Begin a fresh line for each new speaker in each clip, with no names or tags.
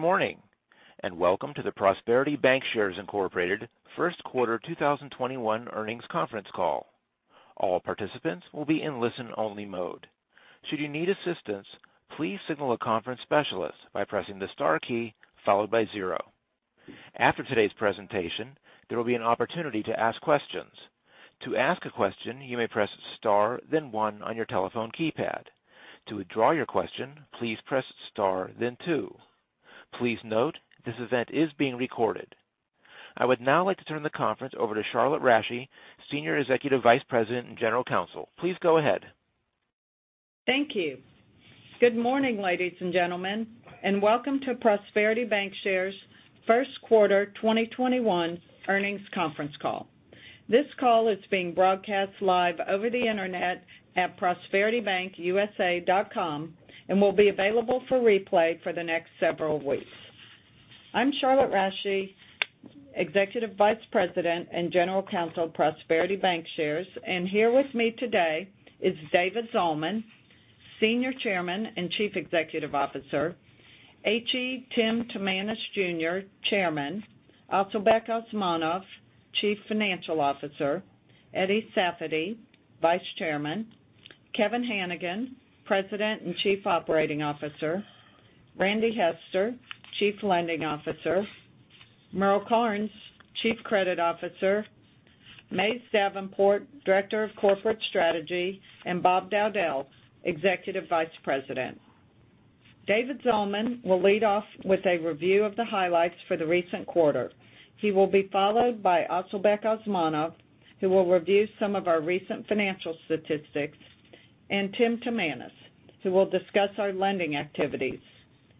Good morning, welcome to the Prosperity Bancshares, Inc. First Quarter 2021 Earnings Conference Call. All participants will be in listen-only mode. Should you need assistance, please signal a conference specialist by pressing the star key followed by zero. After today's presentation, there will be an opportunity to ask questions. To ask a question, you may press star then one on your telephone keypad. To withdraw your question, please press star then two. Please note, this event is being recorded. I would now like to turn the conference over to Charlotte Rasche, Senior Executive Vice President and General Counsel. Please go ahead.
Thank you. Good morning, ladies and gentlemen, welcome to Prosperity Bankshares' First Quarter 2021 Earnings Conference Call. This call is being broadcast live over the internet at prosperitybankusa.com and will be available for replay for the next several weeks. I'm Charlotte Rasche, Executive Vice President and General Counsel of Prosperity Bankshares, here with me today is David Zalman, Senior Chairman and Chief Executive Officer. H.E. Timanus, Jr., Chairman. Asylbek Osmonov, Chief Financial Officer. Eddie Safady, Vice Chairman. Kevin Hanigan, President and Chief Operating Officer. Randy Hester, Chief Lending Officer. Merle Karnes, Chief Credit Officer. Mays Davenport, Director of Corporate Strategy, Bob Dowdell, Executive Vice President. David Zalman will lead off with a review of the highlights for the recent quarter. He will be followed by Asylbek Osmonov, who will review some of our recent financial statistics, and Tim Timanus, who will discuss our lending activities,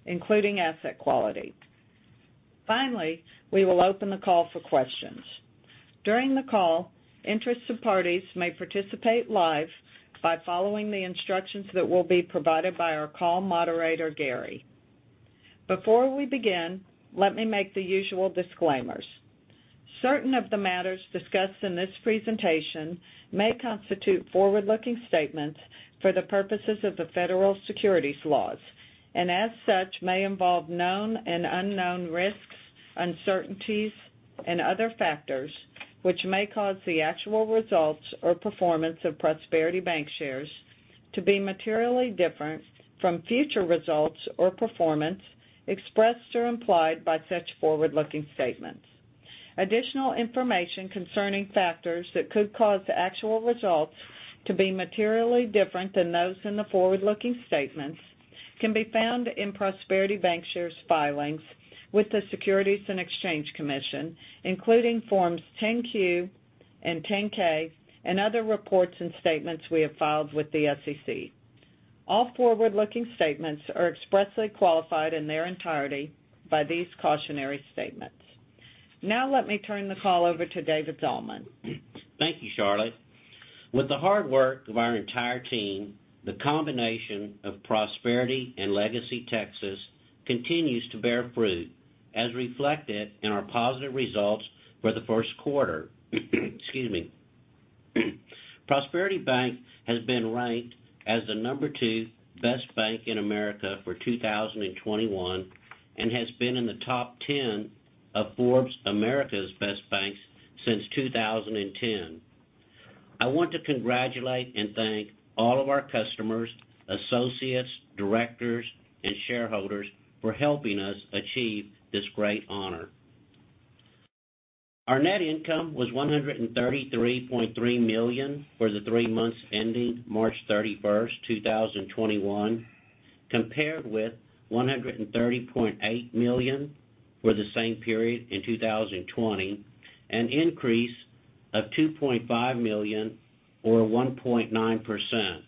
including asset quality. Finally, we will open the call for questions. During the call, interested parties may participate live by following the instructions that will be provided by our call moderator, Gary. Before we begin, let me make the usual disclaimers. Certain of the matters discussed in this presentation may constitute forward-looking statements for the purposes of the federal securities laws, as such, may involve known and unknown risks, uncertainties and other factors which may cause the actual results or performance of Prosperity Bancshares to be materially different from future results or performance expressed or implied by such forward-looking statements. Additional information concerning factors that could cause the actual results to be materially different than those in the forward-looking statements can be found in Prosperity Bancshares' filings with the Securities and Exchange Commission, including Forms 10-Q and 10-K, and other reports and statements we have filed with the SEC. All forward-looking statements are expressly qualified in their entirety by these cautionary statements. Now let me turn the call over to David Zalman.
Thank you, Charlotte. With the hard work of our entire team, the combination of Prosperity and LegacyTexas continues to bear fruit, as reflected in our positive results for the first quarter. Excuse me. Prosperity Bank has been ranked as the number two best bank in America for 2021 and has been in the top 10 of Forbes America's Best Banks since 2010. I want to congratulate and thank all of our customers, associates, directors and shareholders for helping us achieve this great honor. Our net income was $133.3 million for the three months ending March 31, 2021, compared with $130.8 million for the same period in 2020, an increase of $2.5 million or 1.9%.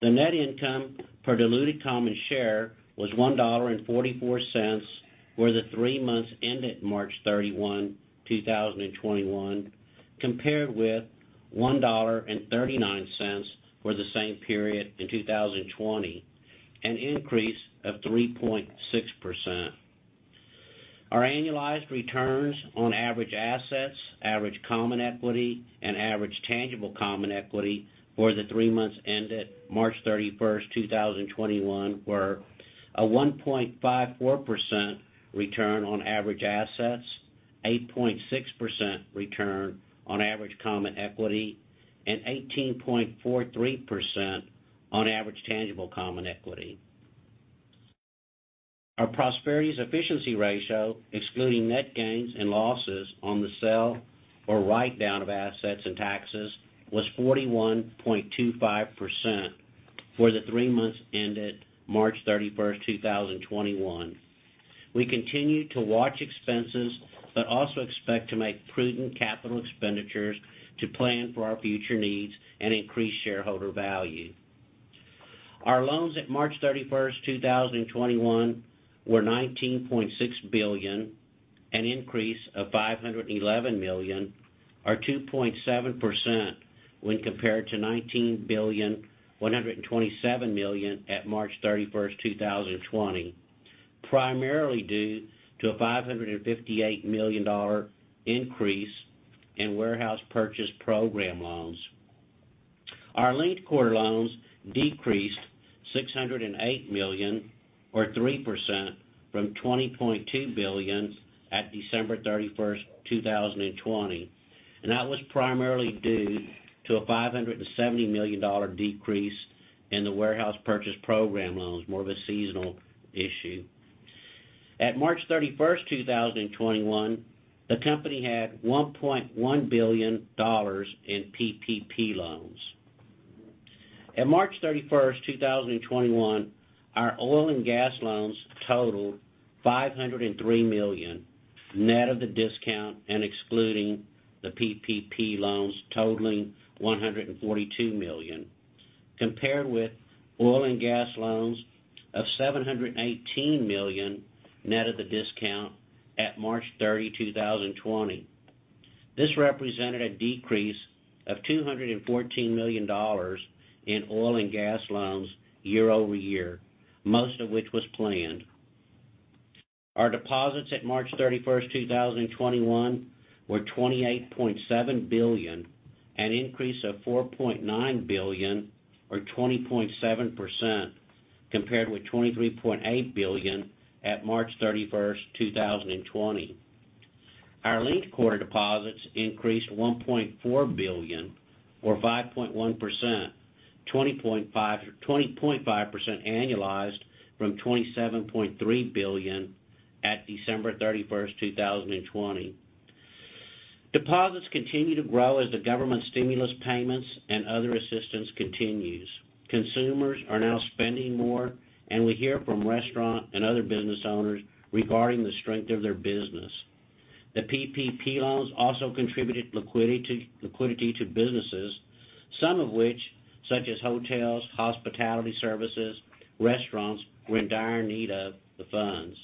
The net income per diluted common share was $1.44 for the three months ended March 31, 2021, compared with $1.39 for the same period in 2020, an increase of 3.6%. Our annualized returns on average assets, average common equity and average tangible common equity for the three months ended March 31, 2021, were a 1.54% return on average assets, 8.6% return on average common equity, and 18.43% on average tangible common equity. Our Prosperity's efficiency ratio, excluding net gains and losses on the sale or write-down of assets and taxes, was 41.25% for the three months ended March 31, 2021. We continue to watch expenses, but also expect to make prudent capital expenditures to plan for our future needs and increase shareholder value. Our loans at March 31, 2021, were $19.6 billion, an increase of $511 million, or 2.7% when compared to $19,127 million at March 31, 2020, primarily due to a $558 million increase in warehouse purchase program loans. Our last quarter loans decreased $608 million, or 3%, from $20.2 billion at December 31, 2020, and that was primarily due to a $570 million decrease in the warehouse purchase program loans, more of a seasonal issue. At March 31, 2021, the company had $1.1 billion in PPP loans. At March 31, 2021, our oil and gas loans totaled $503 million, net of the discount and excluding the PPP loans totaling $142 million, compared with oil and gas loans of $718 million, net of the discount at March 30, 2020. This represented a decrease of $214 million in oil and gas loans year-over-year, most of which was planned. Our deposits at March 31st, 2021, were $28.7 billion, an increase of $4.9 billion or 20.7%, compared with $23.8 billion at March 31st, 2020. Our linked quarter deposits increased $1.4 billion or 5.1%, 20.5% annualized from $27.3 billion at December 31st, 2020. Deposits continue to grow as the government stimulus payments and other assistance continues. We hear from restaurant and other business owners regarding the strength of their business. The PPP loans also contributed liquidity to businesses, some of which, such as hotels, hospitality services, restaurants, were in dire need of the funds.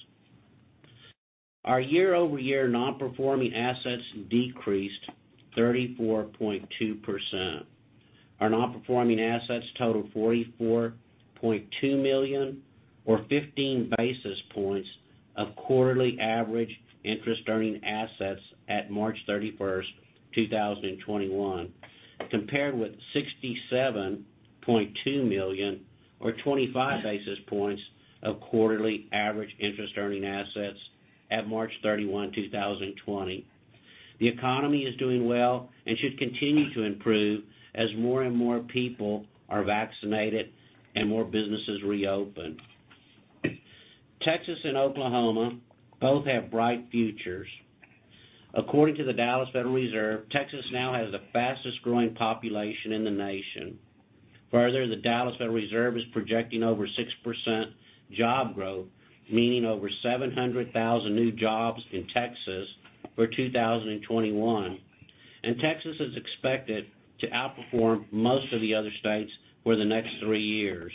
Our year-over-year non-performing assets decreased 34.2%. Our non-performing assets total $44.2 million or 15 basis points of quarterly average interest-earning assets at March 31st, 2021, compared with $67.2 million or 25 basis points of quarterly average interest-earning assets at March 31, 2020. The economy is doing well and should continue to improve as more and more people are vaccinated and more businesses reopen. Texas and Oklahoma both have bright futures. According to the Federal Reserve Bank of Dallas, Texas now has the fastest growing population in the nation. Further, the Federal Reserve Bank of Dallas is projecting over 6% job growth, meaning over 700,000 new jobs in Texas for 2021, and Texas is expected to outperform most of the other states for the next three years.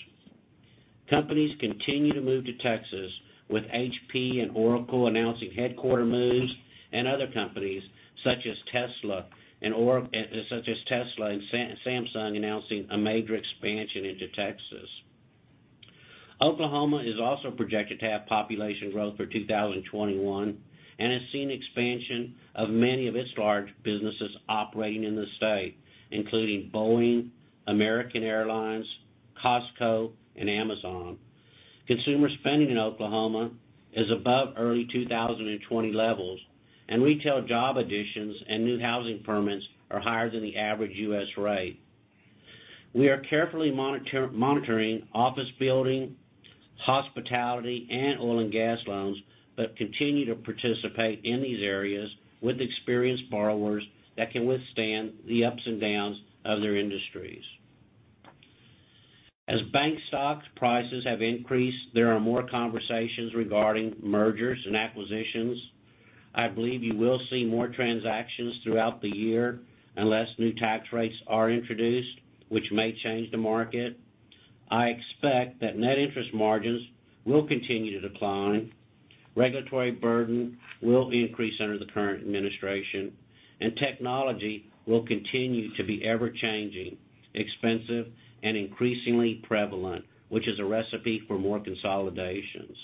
Companies continue to move to Texas with HP and Oracle announcing headquarter moves and other companies such as Tesla and Samsung announcing a major expansion into Texas. Oklahoma is also projected to have population growth for 2021 and has seen expansion of many of its large businesses operating in the state, including Boeing, American Airlines, Costco and Amazon. Consumer spending in Oklahoma is above early 2020 levels, and retail job additions and new housing permits are higher than the average U.S. rate. We are carefully monitoring office building, hospitality and oil and gas loans, but continue to participate in these areas with experienced borrowers that can withstand the ups and downs of their industries. As bank stock prices have increased, there are more conversations regarding mergers and acquisitions. I believe you will see more transactions throughout the year unless new tax rates are introduced, which may change the market. I expect that net interest margins will continue to decline, regulatory burden will increase under the current administration, and technology will continue to be ever-changing, expensive and increasingly prevalent, which is a recipe for more consolidations.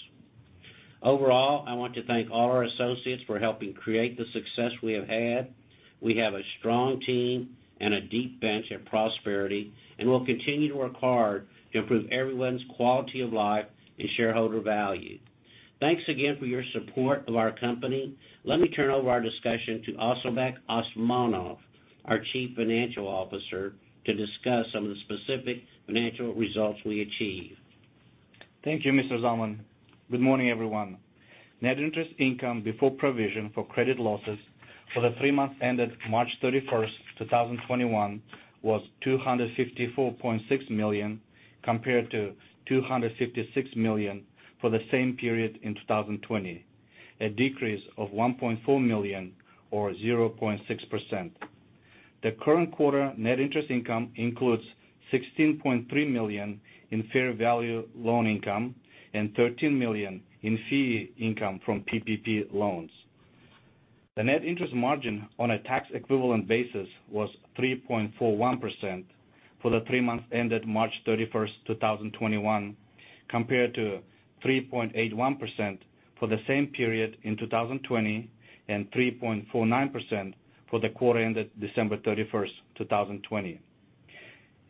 Overall, I want to thank all our associates for helping create the success we have had. We have a strong team and a deep bench at Prosperity, and we'll continue to work hard to improve everyone's quality of life and shareholder value. Thanks again for your support of our company. Let me turn over our discussion to Asylbek Osmonov, our Chief Financial Officer, to discuss some of the specific financial results we achieved.
Thank you, Mr. Zalman. Good morning, everyone. Net interest income before provision for credit losses for the three months ended March 31, 2021, was $254.6 million, compared to $256 million for the same period in 2020, a decrease of $1.4 million or 0.6%. The current quarter net interest income includes $16.3 million in fair value loan income and $13 million in fee income from PPP loans. The net interest margin on a tax equivalent basis was 3.41% for the three months ended March 31, 2021, compared to 3.81% for the same period in 2020 and 3.49% for the quarter ended December 31, 2020.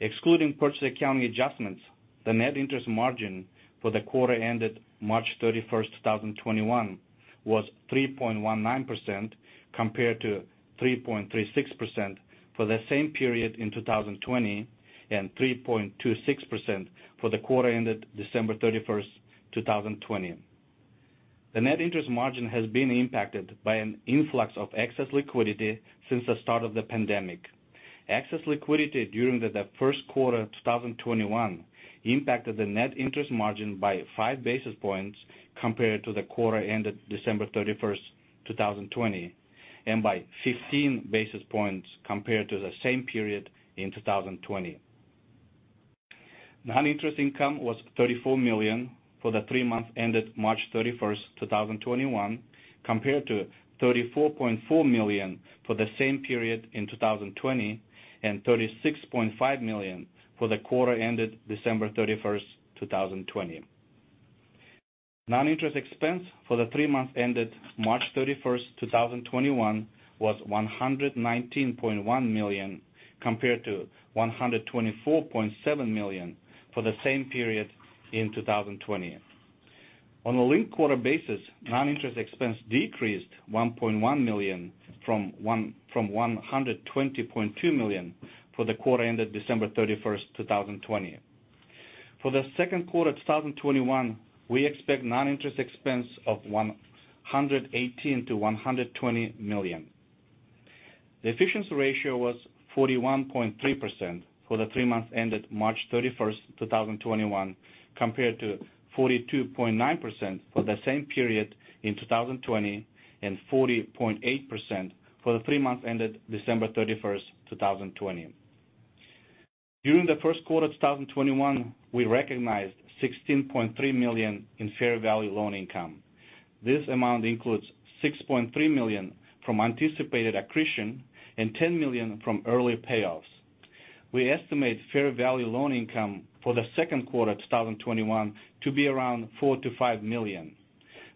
Excluding purchase accounting adjustments, the net interest margin for the quarter ended March 31, 2021, was 3.19%, compared to 3.36% for the same period in 2020 and 3.26% for the quarter ended December 31, 2020. The net interest margin has been impacted by an influx of excess liquidity since the start of the pandemic. Excess liquidity during the first quarter 2021 impacted the net interest margin by five basis points compared to the quarter ended December 31, 2020, and by 15 basis points compared to the same period in 2020. Non-interest income was $34 million for the three months ended March 31, 2021, compared to $34.4 million for the same period in 2020 and $36.5 million for the quarter ended December 31, 2020. Non-interest expense for the three months ended March 31, 2021, was $119.1 million compared to $124.7 million for the same period in 2020. On a linked quarter basis, non-interest expense decreased $1.1 million from $120.2 million for the quarter ended December 31, 2020. For the second quarter 2021, we expect non-interest expense of $118 million-$120 million. The efficiency ratio was 41.3% for the three months ended March 31st, 2021, compared to 42.9% for the same period in 2020 and 40.8% for the three months ended December 31st, 2020. During the first quarter 2021, we recognized $16.3 million in fair value loan income. This amount includes $6.3 million from anticipated accretion and $10 million from early payoffs. We estimate fair value loan income for the second quarter 2021 to be around $4 million-$5 million.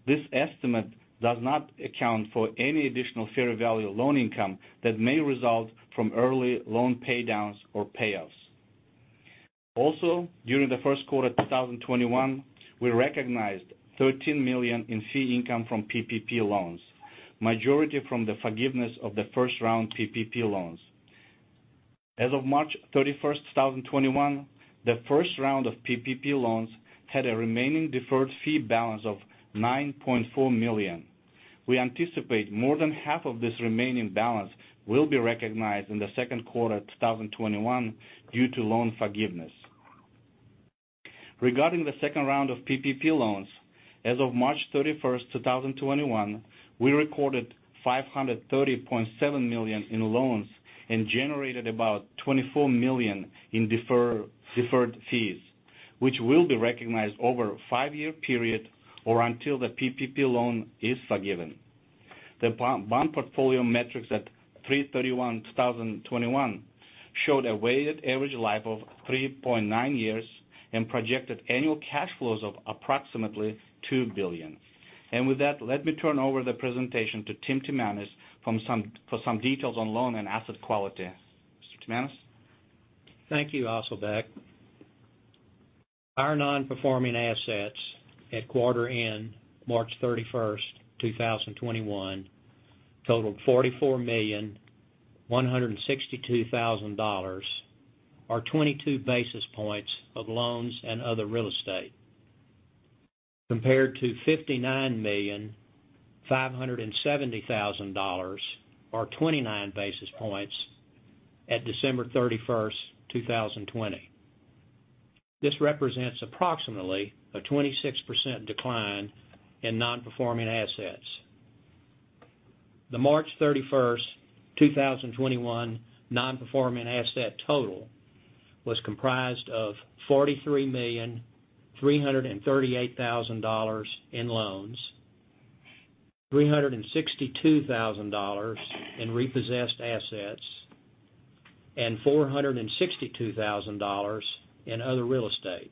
This estimate does not account for any additional fair value loan income that may result from early loan pay downs or payoffs. Also, during the first quarter 2021, we recognized $13 million in fee income from PPP loans, majority from the forgiveness of the first-round PPP loans. As of March 31st, 2021, the first round of PPP loans had a remaining deferred fee balance of $9.4 million. We anticipate more than half of this remaining balance will be recognized in the second quarter 2021 due to loan forgiveness. Regarding the second round of PPP loans, as of March 31, 2021, we recorded $530.7 million in loans and generated about $24 million in deferred fees, which will be recognized over a five-year period or until the PPP loan is forgiven. The bond portfolio metrics at 03/31/2021 showed a weighted average life of 3.9 years and projected annual cash flows of approximately $2 billion. With that, let me turn over the Tim Timanus. for some details on loan and asset quality. Mr. Timanus?
Thank you, Asylbek. Our non-performing assets at quarter end March 31st, 2021, totaled $44,162,000, or 22 basis points of loans and other real estate, compared to $59,570,000, or 29 basis points at December 31st, 2020. This represents approximately a 26% decline in non-performing assets. The March 31st, 2021, non-performing asset total was comprised of $43,338,000 in loans, $362,000 in repossessed assets, and $462,000 in other real estate.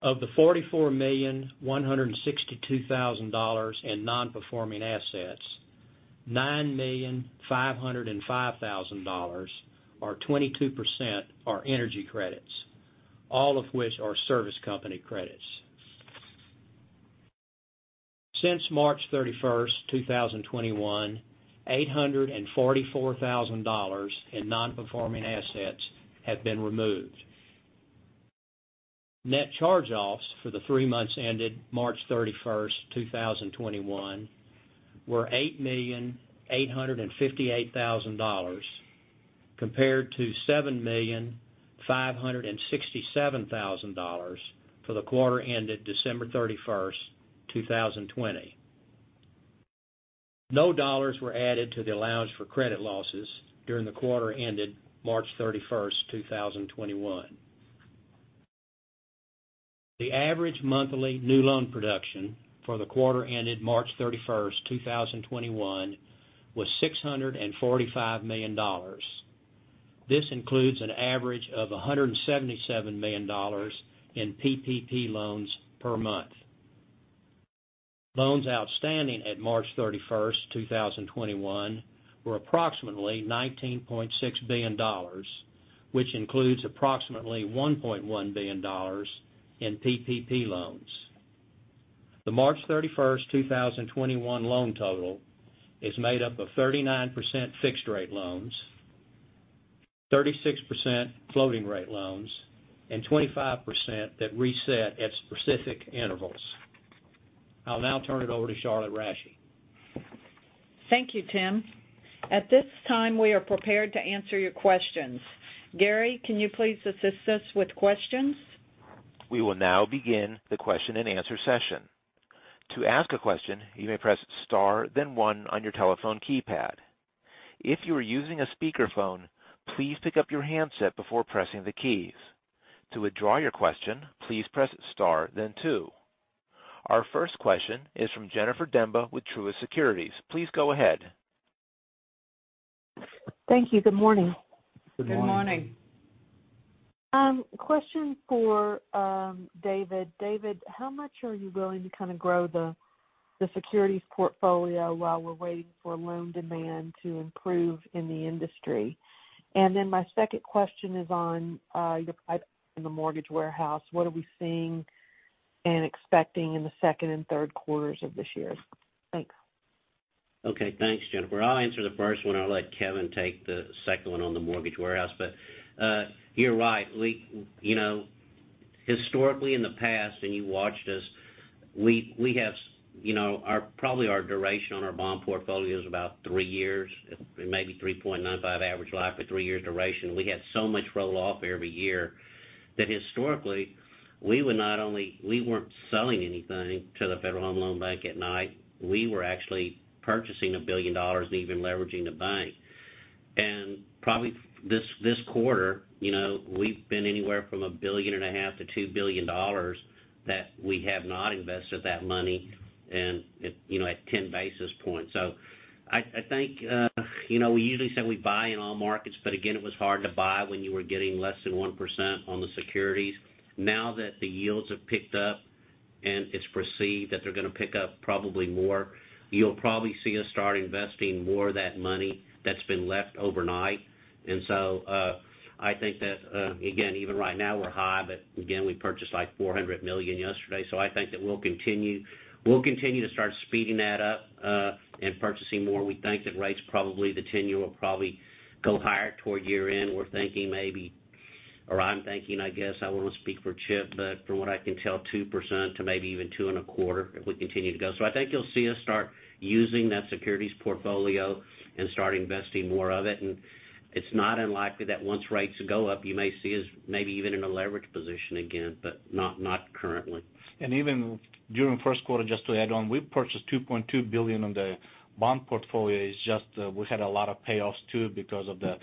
Of the $44,162,000 in non-performing assets, $9,505,000, or 22%, are energy credits, all of which are service company credits. Since March 31st, 2021, $844,000 in non-performing assets have been removed. Net charge-offs for the three months ended March 31st, 2021, were $8,858,000, compared to $7,567,000 for the quarter ended December 31st, 2020. No dollars were added to the Allowance for Credit Losses during the quarter ended March 31st, 2021. The average monthly new loan production for the quarter ended March 31st, 2021, was $645 million. This includes an average of $177 million in PPP loans per month. Loans outstanding at March 31st, 2021 were approximately $19.6 billion, which includes approximately $1.1 billion in PPP loans. The March 31st, 2021 loan total is made up of 39% fixed rate loans, 36% floating rate loans, and 25% that reset at specific intervals. I'll now turn it over to Charlotte Rasche.
Thank you, Tim. At this time, we are prepared to answer your questions. Gary, can you please assist us with questions?
We will now begin the question and answer session. To ask a question, you may press star then one on your telephone keypad. If you are using a speakerphone, please pick up your handset before pressing the keys. To withdraw your question, please press star then two. Our first question is from Jennifer Demba with Truist Securities. Please go ahead.
Thank you. Good morning.
Good morning.
Good morning.
Question for David. David, how much are you going to kind of grow the securities portfolio while we're waiting for loan demand to improve in the industry? My second question is on the mortgage warehouse. What are we seeing and expecting in the second and third quarters of this year? Thanks.
Okay. Thanks, Jennifer. I'll answer the first one, I'll let Kevin take the second one on the mortgage warehouse. You're right. Historically in the past, you watched us, probably our duration on our bond portfolio is about three years, maybe 3.95 average life or three years duration. We had so much roll-off every year that historically, we weren't selling anything to the Federal Home Loan Bank at night. We were actually purchasing $1 billion and even leveraging the bank. Probably this quarter, we've been anywhere from $1.5 billion-$2 billion that we have not invested that money and at 10 basis points. I think, we usually say we buy in all markets, but again, it was hard to buy when you were getting less than 1% on the securities. Now that the yields have picked up, and it's perceived that they're going to pick up probably more, you'll probably see us start investing more of that money that's been left overnight. I think that, again, even right now, we're high, but again, we purchased like $400 million yesterday. I think that we'll continue to start speeding that up, and purchasing more. We think that rates probably, the 10-year will probably go higher toward year-end. We're thinking maybe, or I'm thinking, I guess, I won't speak for Chip, but from what I can tell, 2% to maybe even two and a quarter if we continue to go. I think you'll see us start using that securities portfolio and start investing more of it, and it's not unlikely that once rates go up, you may see us maybe even in a leverage position again, but not currently.
Even during first quarter, just to add on, we purchased $2.2 billion on the bond portfolio. It's just, we had a lot of payoffs too because of the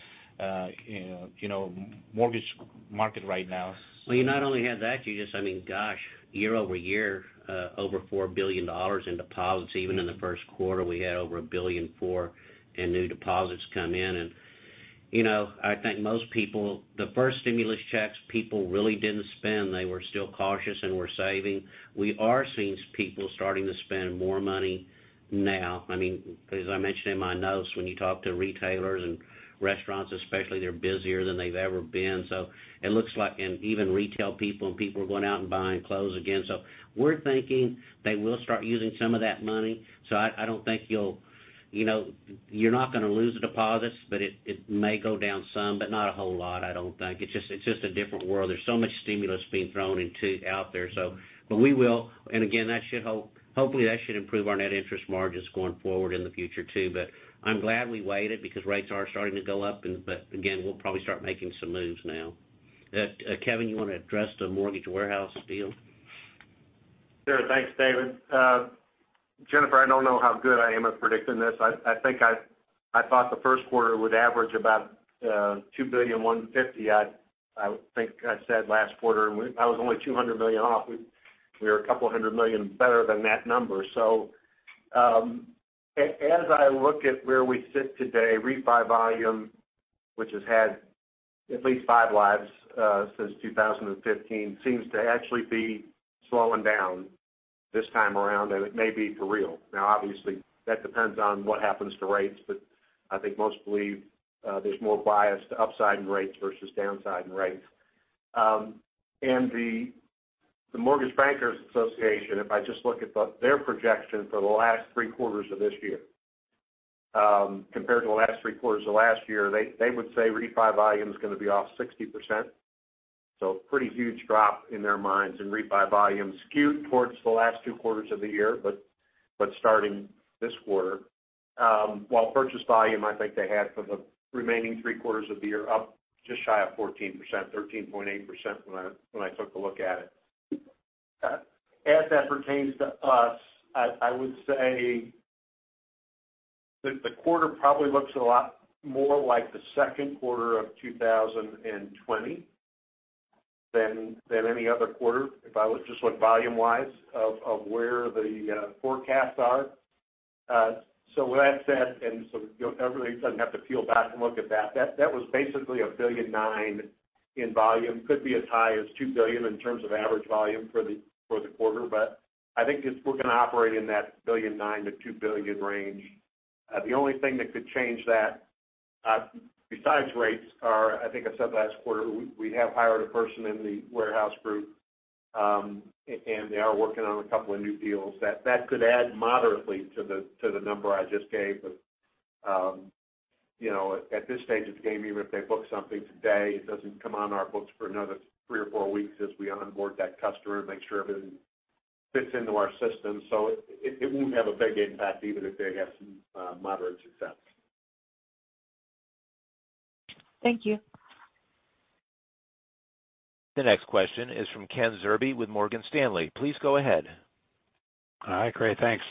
mortgage market right now.
Well, you not only have that, you just, I mean, gosh, year-over-year, over $4 billion in deposits. Even in the first quarter, we had over $1.4 billion in new deposits come in. I think most people, the first stimulus checks, people really didn't spend. They were still cautious and were saving. We are seeing people starting to spend more money now. As I mentioned in my notes, when you talk to retailers and restaurants especially, they're busier than they've ever been. It looks like, and even retail people and people are going out and buying clothes again. We're thinking they will start using some of that money. I don't think you're not going to lose the deposits, but it may go down some, but not a whole lot, I don't think. It's just a different world. There's so much stimulus being thrown out there. Hopefully that should improve our net interest margins going forward in the future too. I'm glad we waited because rates are starting to go up, but again, we'll probably start making some moves now. Kevin, you want to address the mortgage warehouse deal?
Sure. Thanks, David. Jennifer, I don't know how good I am at predicting this. I thought the first quarter would average about $2.15 billion, I think I said last quarter, and I was only $200 million off. We were a couple of hundred million better than that number. As I look at where we sit today, refi volume, which has had at least five lives since 2015, seems to actually be slowing down this time around, and it may be for real. Now, obviously, that depends on what happens to rates, but I think most believe there's more bias to upside in rates versus downside in rates. The Mortgage Bankers Association, if I just look at their projection for the last three quarters of this year, compared to the last three quarters of last year, they would say refi volume is going to be off 60%. Pretty huge drop in their minds in refi volume skewed towards the last two quarters of the year, but starting this quarter. While purchase volume, I think they had for the remaining three quarters of the year up just shy of 14%, 13.8% when I took a look at it. As that pertains to us, I would say the quarter probably looks a lot more like the second quarter of 2020 than any other quarter. If I just look volume-wise of where the forecasts are. With that said, everybody doesn't have to peel back and look at that was basically $1.9 billion in volume. Could be as high as $2 billion in terms of average volume for the quarter, but I think just we're going to operate in that $1.9 billion-$2 billion range. The only thing that could change that, besides rates are, I think I said last quarter, we have hired a person in the warehouse group, and they are working on a couple of new deals. That could add moderately to the number I just gave. At this stage of the game, even if they book something today, it doesn't come on our books for another three or four weeks as we onboard that customer and make sure everything fits into our system. It won't have a big impact even if they have some moderate success.
Thank you.
The next question is from Ken Zerbe with Morgan Stanley. Please go ahead.
All right, great. Thanks.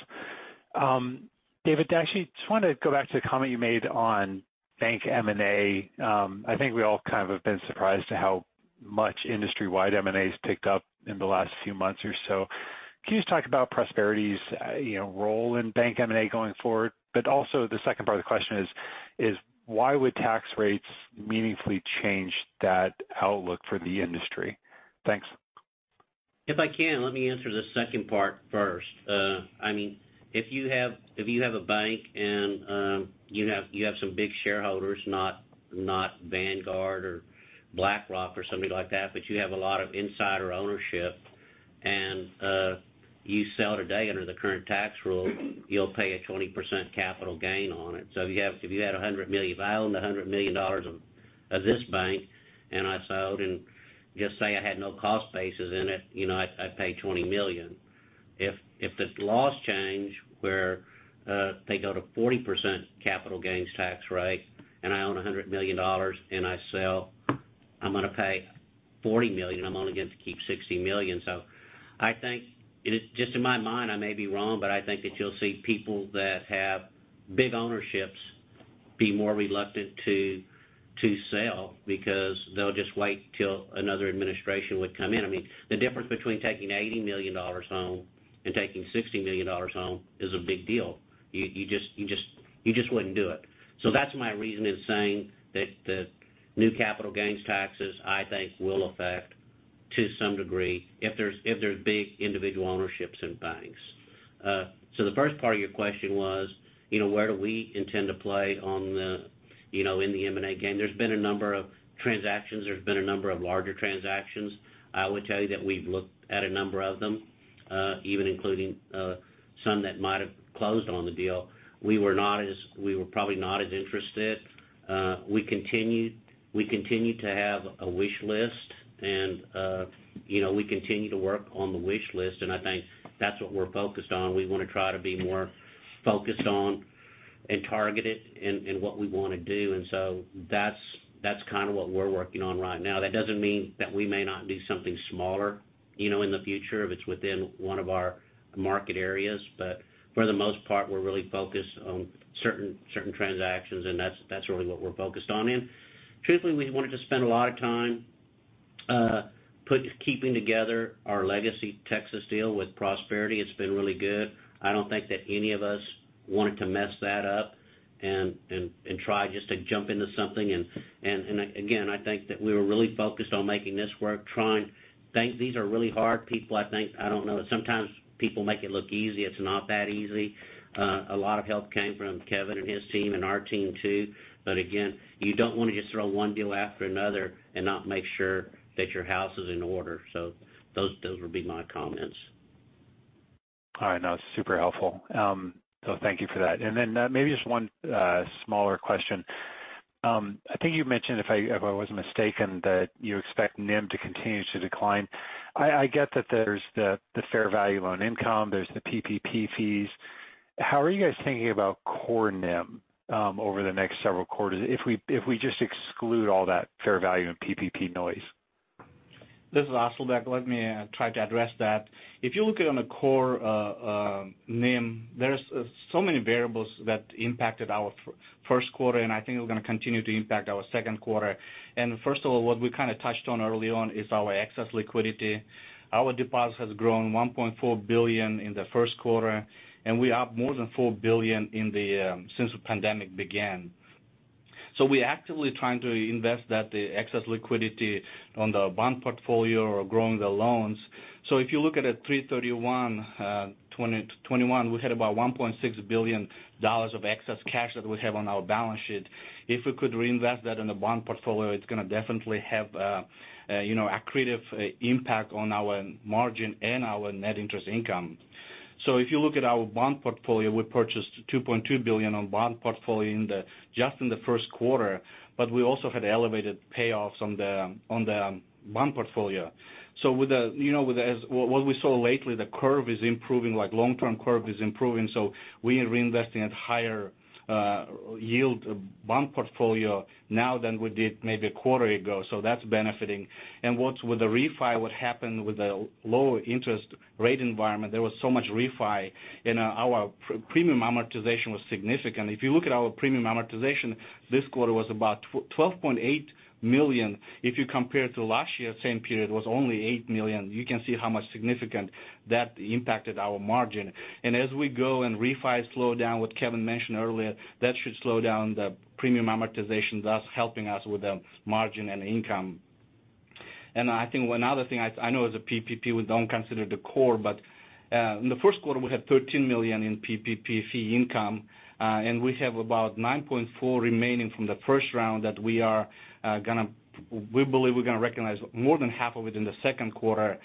David, actually, just wanted to go back to the comment you made on bank M&A. I think we all kind of have been surprised at how much industry-wide M&A has picked up in the last few months or so. Can you just talk about Prosperity's role in bank M&A going forward? Also, the second part of the question is, why would tax rates meaningfully change that outlook for the industry? Thanks.
If I can, let me answer the second part first. If you have a bank and you have some big shareholders, not Vanguard or BlackRock or somebody like that, but you have a lot of insider ownership, and you sell today under the current tax rule, you'll pay a 20% capital gain on it. If you had $100 million, if I own $100 million of this bank and I sold, and just say I had no cost bases in it, I'd pay $20 million. If the laws change where they go to 40% capital gains tax rate and I own $100 million and I sell, I'm going to pay $40 million. I'm only going to keep $60 million. I think, just in my mind, I may be wrong, but I think that you'll see people that have big ownerships be more reluctant to sell because they'll just wait till another administration would come in. The difference between taking $80 million home and taking $60 million home is a big deal. You just wouldn't do it. That's my reasoning in saying that the new capital gains taxes, I think, will affect to some degree if there's big individual ownerships in banks. The first part of your question was, where do we intend to play in the M&A game? There's been a number of transactions. There's been a number of larger transactions. I would tell you that we've looked at a number of them, even including some that might have closed on the deal. We were probably not as interested. We continue to have a wish list, and we continue to work on the wish list, and I think that's what we're focused on. We want to try to be more focused on and targeted in what we want to do. That's kind of what we're working on right now. That doesn't mean that we may not do something smaller in the future if it's within one of our market areas. For the most part, we're really focused on certain transactions, and that's really what we're focused on. Truthfully, we wanted to spend a lot of time keeping together our LegacyTexas deal with Prosperity. It's been really good. I don't think that any of us wanted to mess that up and try just to jump into something. Again, I think that we were really focused on making this work, trying. These are really hard people, I think. I don't know. Sometimes people make it look easy. It's not that easy. A lot of help came from Kevin and his team and our team, too. Again, you don't want to just throw one deal after another and not make sure that your house is in order. Those would be my comments.
All right. No, it's super helpful. Thank you for that. Maybe just one smaller question. I think you mentioned, if I wasn't mistaken, that you expect NIM to continue to decline. I get that there's the fair value on income, there's the PPP fees. How are you guys thinking about core NIM over the next several quarters if we just exclude all that fair value and PPP noise?
This is Asylbek. Let me try to address that. If you look at on a core NIM, there's so many variables that impacted our first quarter, and I think it was going to continue to impact our second quarter. First of all, what we kind of touched on early on is our excess liquidity. Our deposit has grown $1.4 billion in the first quarter, and we are up more than $4 billion since the pandemic began. We actively trying to invest that excess liquidity on the bond portfolio or growing the loans. If you look at 3/31/2021, we had about $1.6 billion of excess cash that we have on our balance sheet. If we could reinvest that in the bond portfolio, it's going to definitely have a accretive impact on our margin and our net interest income. If you look at our bond portfolio, we purchased $2.2 billion on bond portfolio just in the first quarter, but we also had elevated payoffs on the bond portfolio. With what we saw lately, the curve is improving, like long-term curve is improving. We are reinvesting at higher yield bond portfolio now than we did maybe a quarter ago, so that's benefiting. With the refi, what happened with the lower interest rate environment, there was so much refi, and our premium amortization was significant. If you look at our premium amortization, this quarter was about $12.8 million. If you compare to last year, same period was only $8 million. You can see how much significant that impacted our margin. As we go and refi slow down, what Kevin mentioned earlier, that should slow down the premium amortization, thus helping us with the margin and income. I think one other thing, I know as a PPP, we don't consider the core, but in the first quarter, we had $13 million in PPP fee income, and we have about $9.4 million remaining from the first round that we believe we're going to recognize more than half of it in the second quarter.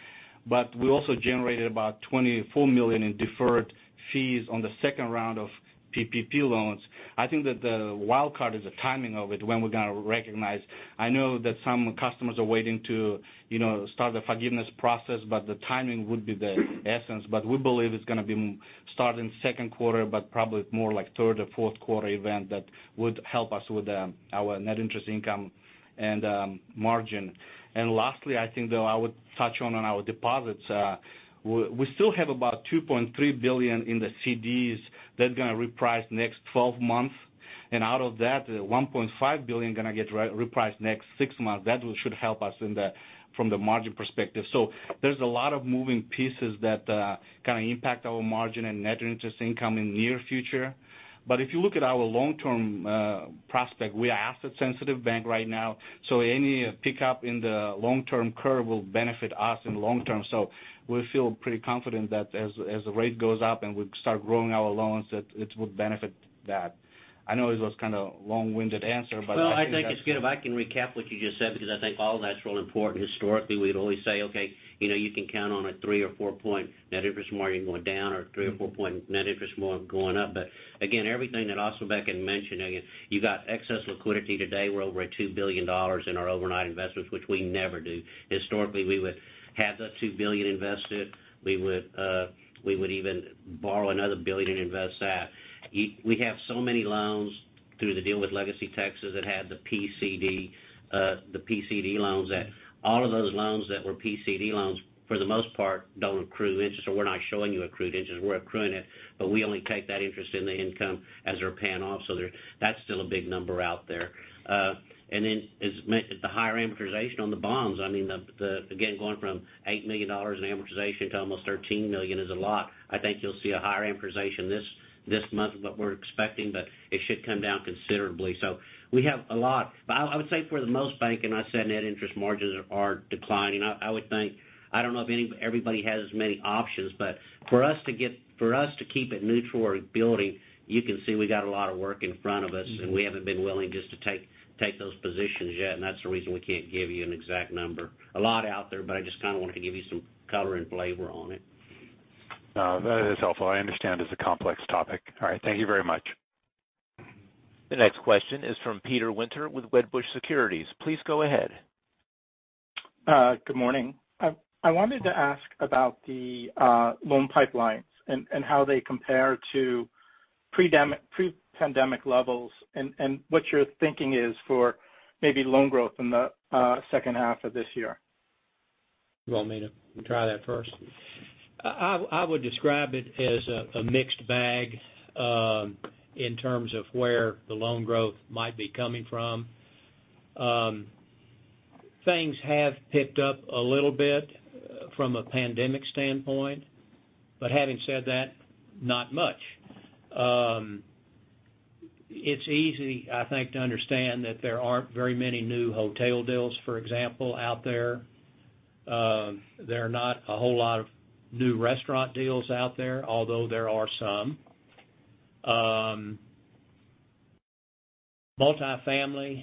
We also generated about $24 million in deferred fees on the second round of PPP loans. I think that the wild card is the timing of it, when we're going to recognize. I know that some customers are waiting to start the forgiveness process, but the timing would be the essence. We believe it's going to be starting second quarter, but probably more like third or fourth quarter event that would help us with our net interest income and margin. Lastly, I think, though, I would touch on our deposits. We still have about $2.3 billion in the CDs that are going to reprice next 12 months. Out of that, $1.5 billion going to get repriced next six months. That should help us from the margin perspective. There's a lot of moving pieces that kind of impact our margin and net interest income in near future. If you look at our long-term prospect, we are asset sensitive bank right now, any pickup in the long-term curve will benefit us in long term. We feel pretty confident that as the rate goes up and we start growing our loans, that it would benefit that. I know it was kind of long-winded answer.
I think it's good. If I can recap what you just said, because I think all that's real important. Historically, we'd always say, okay, you can count on a three or four point net interest margin going down or three or four point net interest margin going up. Again, everything that Asylbek Osmonov mentioned, again, you got excess liquidity today. We're over at $2 billion in our overnight investments, which we never do. Historically, we would have the $2 billion invested. We would even borrow another billion and invest that. We have so many loans through the deal with Legacy Texas that had the PCD loans, that all of those loans that were PCD loans, for the most part, don't accrue interest. We're not showing you accrued interest. We're accruing it, we only take that interest in the income as they're paying off. That's still a big number out there. As mentioned, the higher amortization on the bonds, again, going from $8 million in amortization to almost $13 million is a lot. I think you'll see a higher amortization this month than what we're expecting, but it should come down considerably. We have a lot. I would say for the most bank, and I said net interest margins are declining, I don't know if everybody has as many options, but for us to keep it neutral or building, you can see we got a lot of work in front of us, and we haven't been willing just to take those positions yet, and that's the reason we can't give you an exact number. A lot out there, but I just kind of wanted to give you some color and flavor on it.
No, that is helpful. I understand it's a complex topic. All right. Thank you very much.
The next question is from Peter Winter with Wedbush Securities. Please go ahead.
Good morning. I wanted to ask about the loan pipelines and how they compare to pre-pandemic levels and what your thinking is for maybe loan growth in the second half of this year?
You want me to try that first? I would describe it as a mixed bag, in terms of where the loan growth might be coming from. Things have picked up a little bit from a pandemic standpoint, but having said that, not much. It's easy, I think, to understand that there aren't very many new hotel deals, for example, out there. There are not a whole lot of new restaurant deals out there, although there are some. Multifamily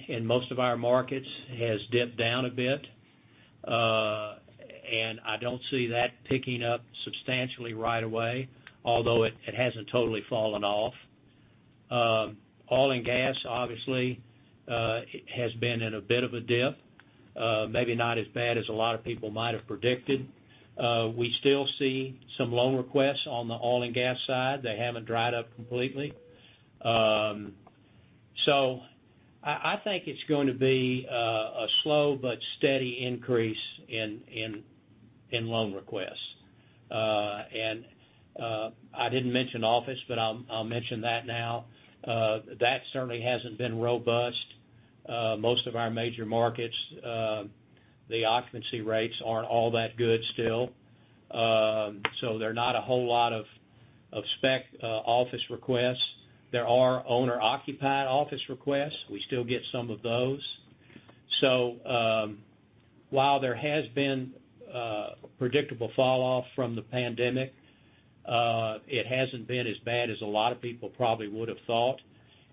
in most of our markets has dipped down a bit. I don't see that picking up substantially right away, although it hasn't totally fallen off. Oil and gas, obviously, has been in a bit of a dip. Maybe not as bad as a lot of people might have predicted. We still see some loan requests on the oil and gas side. They haven't dried up completely. I think it's going to be a slow but steady increase in loan requests. I didn't mention office, but I'll mention that now. That certainly hasn't been robust. Most of our major markets, the occupancy rates aren't all that good still. There are not a whole lot of spec office requests. There are owner-occupied office requests. We still get some of those. While there has been a predictable fall off from the pandemic, it hasn't been as bad as a lot of people probably would have thought,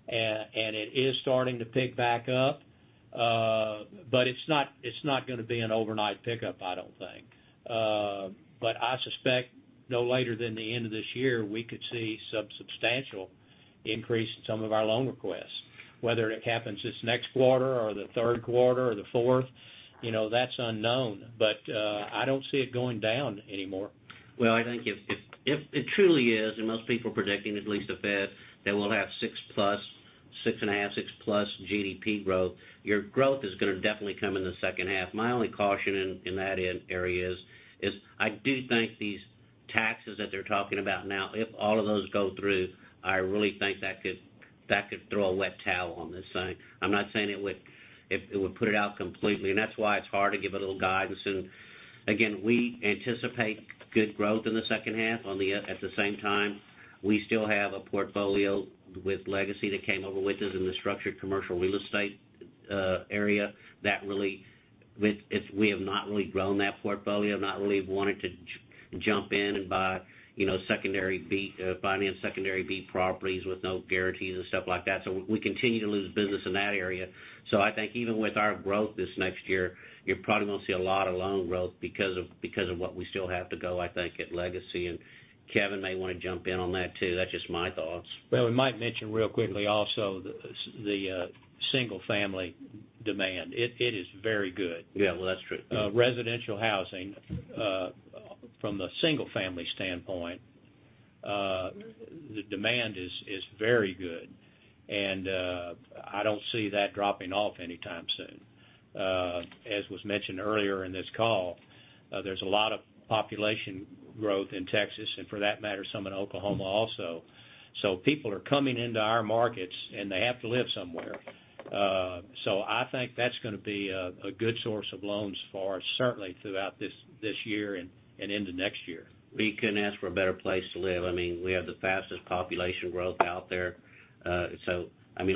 and it is starting to pick back up. It's not going to be an overnight pickup, I don't think. I suspect no later than the end of this year, we could see some substantial increase in some of our loan requests. Whether it happens this next quarter or the third quarter or the fourth, that's unknown. I don't see it going down anymore.
I think if it truly is, and most people are predicting at least the Fed, that we'll have 6.5, 6+ GDP growth, your growth is going to definitely come in the second half. My only caution in that area is, I do think these taxes that they're talking about now, if all of those go through, I really think that could throw a wet towel on this thing. I'm not saying it would put it out completely, and that's why it's hard to give a little guidance. Again, we anticipate good growth in the second half. At the same time, we still have a portfolio with Legacy that came over with us in the structured commercial real estate area. We have not really grown that portfolio, not really wanted to jump in and buy finance secondary B properties with no guarantees and stuff like that. We continue to lose business in that area. I think even with our growth this next year, you're probably going to see a lot of loan growth because of what we still have to go, I think, at Legacy. Kevin may want to jump in on that too. That's just my thoughts.
Well, we might mention real quickly also the single family demand. It is very good.
Yeah. Well, that's true.
Residential housing, from the single family standpoint, the demand is very good, and I don't see that dropping off anytime soon. As was mentioned earlier in this call, there's a lot of population growth in Texas, and for that matter, some in Oklahoma also. People are coming into our markets, and they have to live somewhere. I think that's going to be a good source of loans for us, certainly throughout this year and into next year.
We couldn't ask for a better place to live. We have the fastest population growth out there.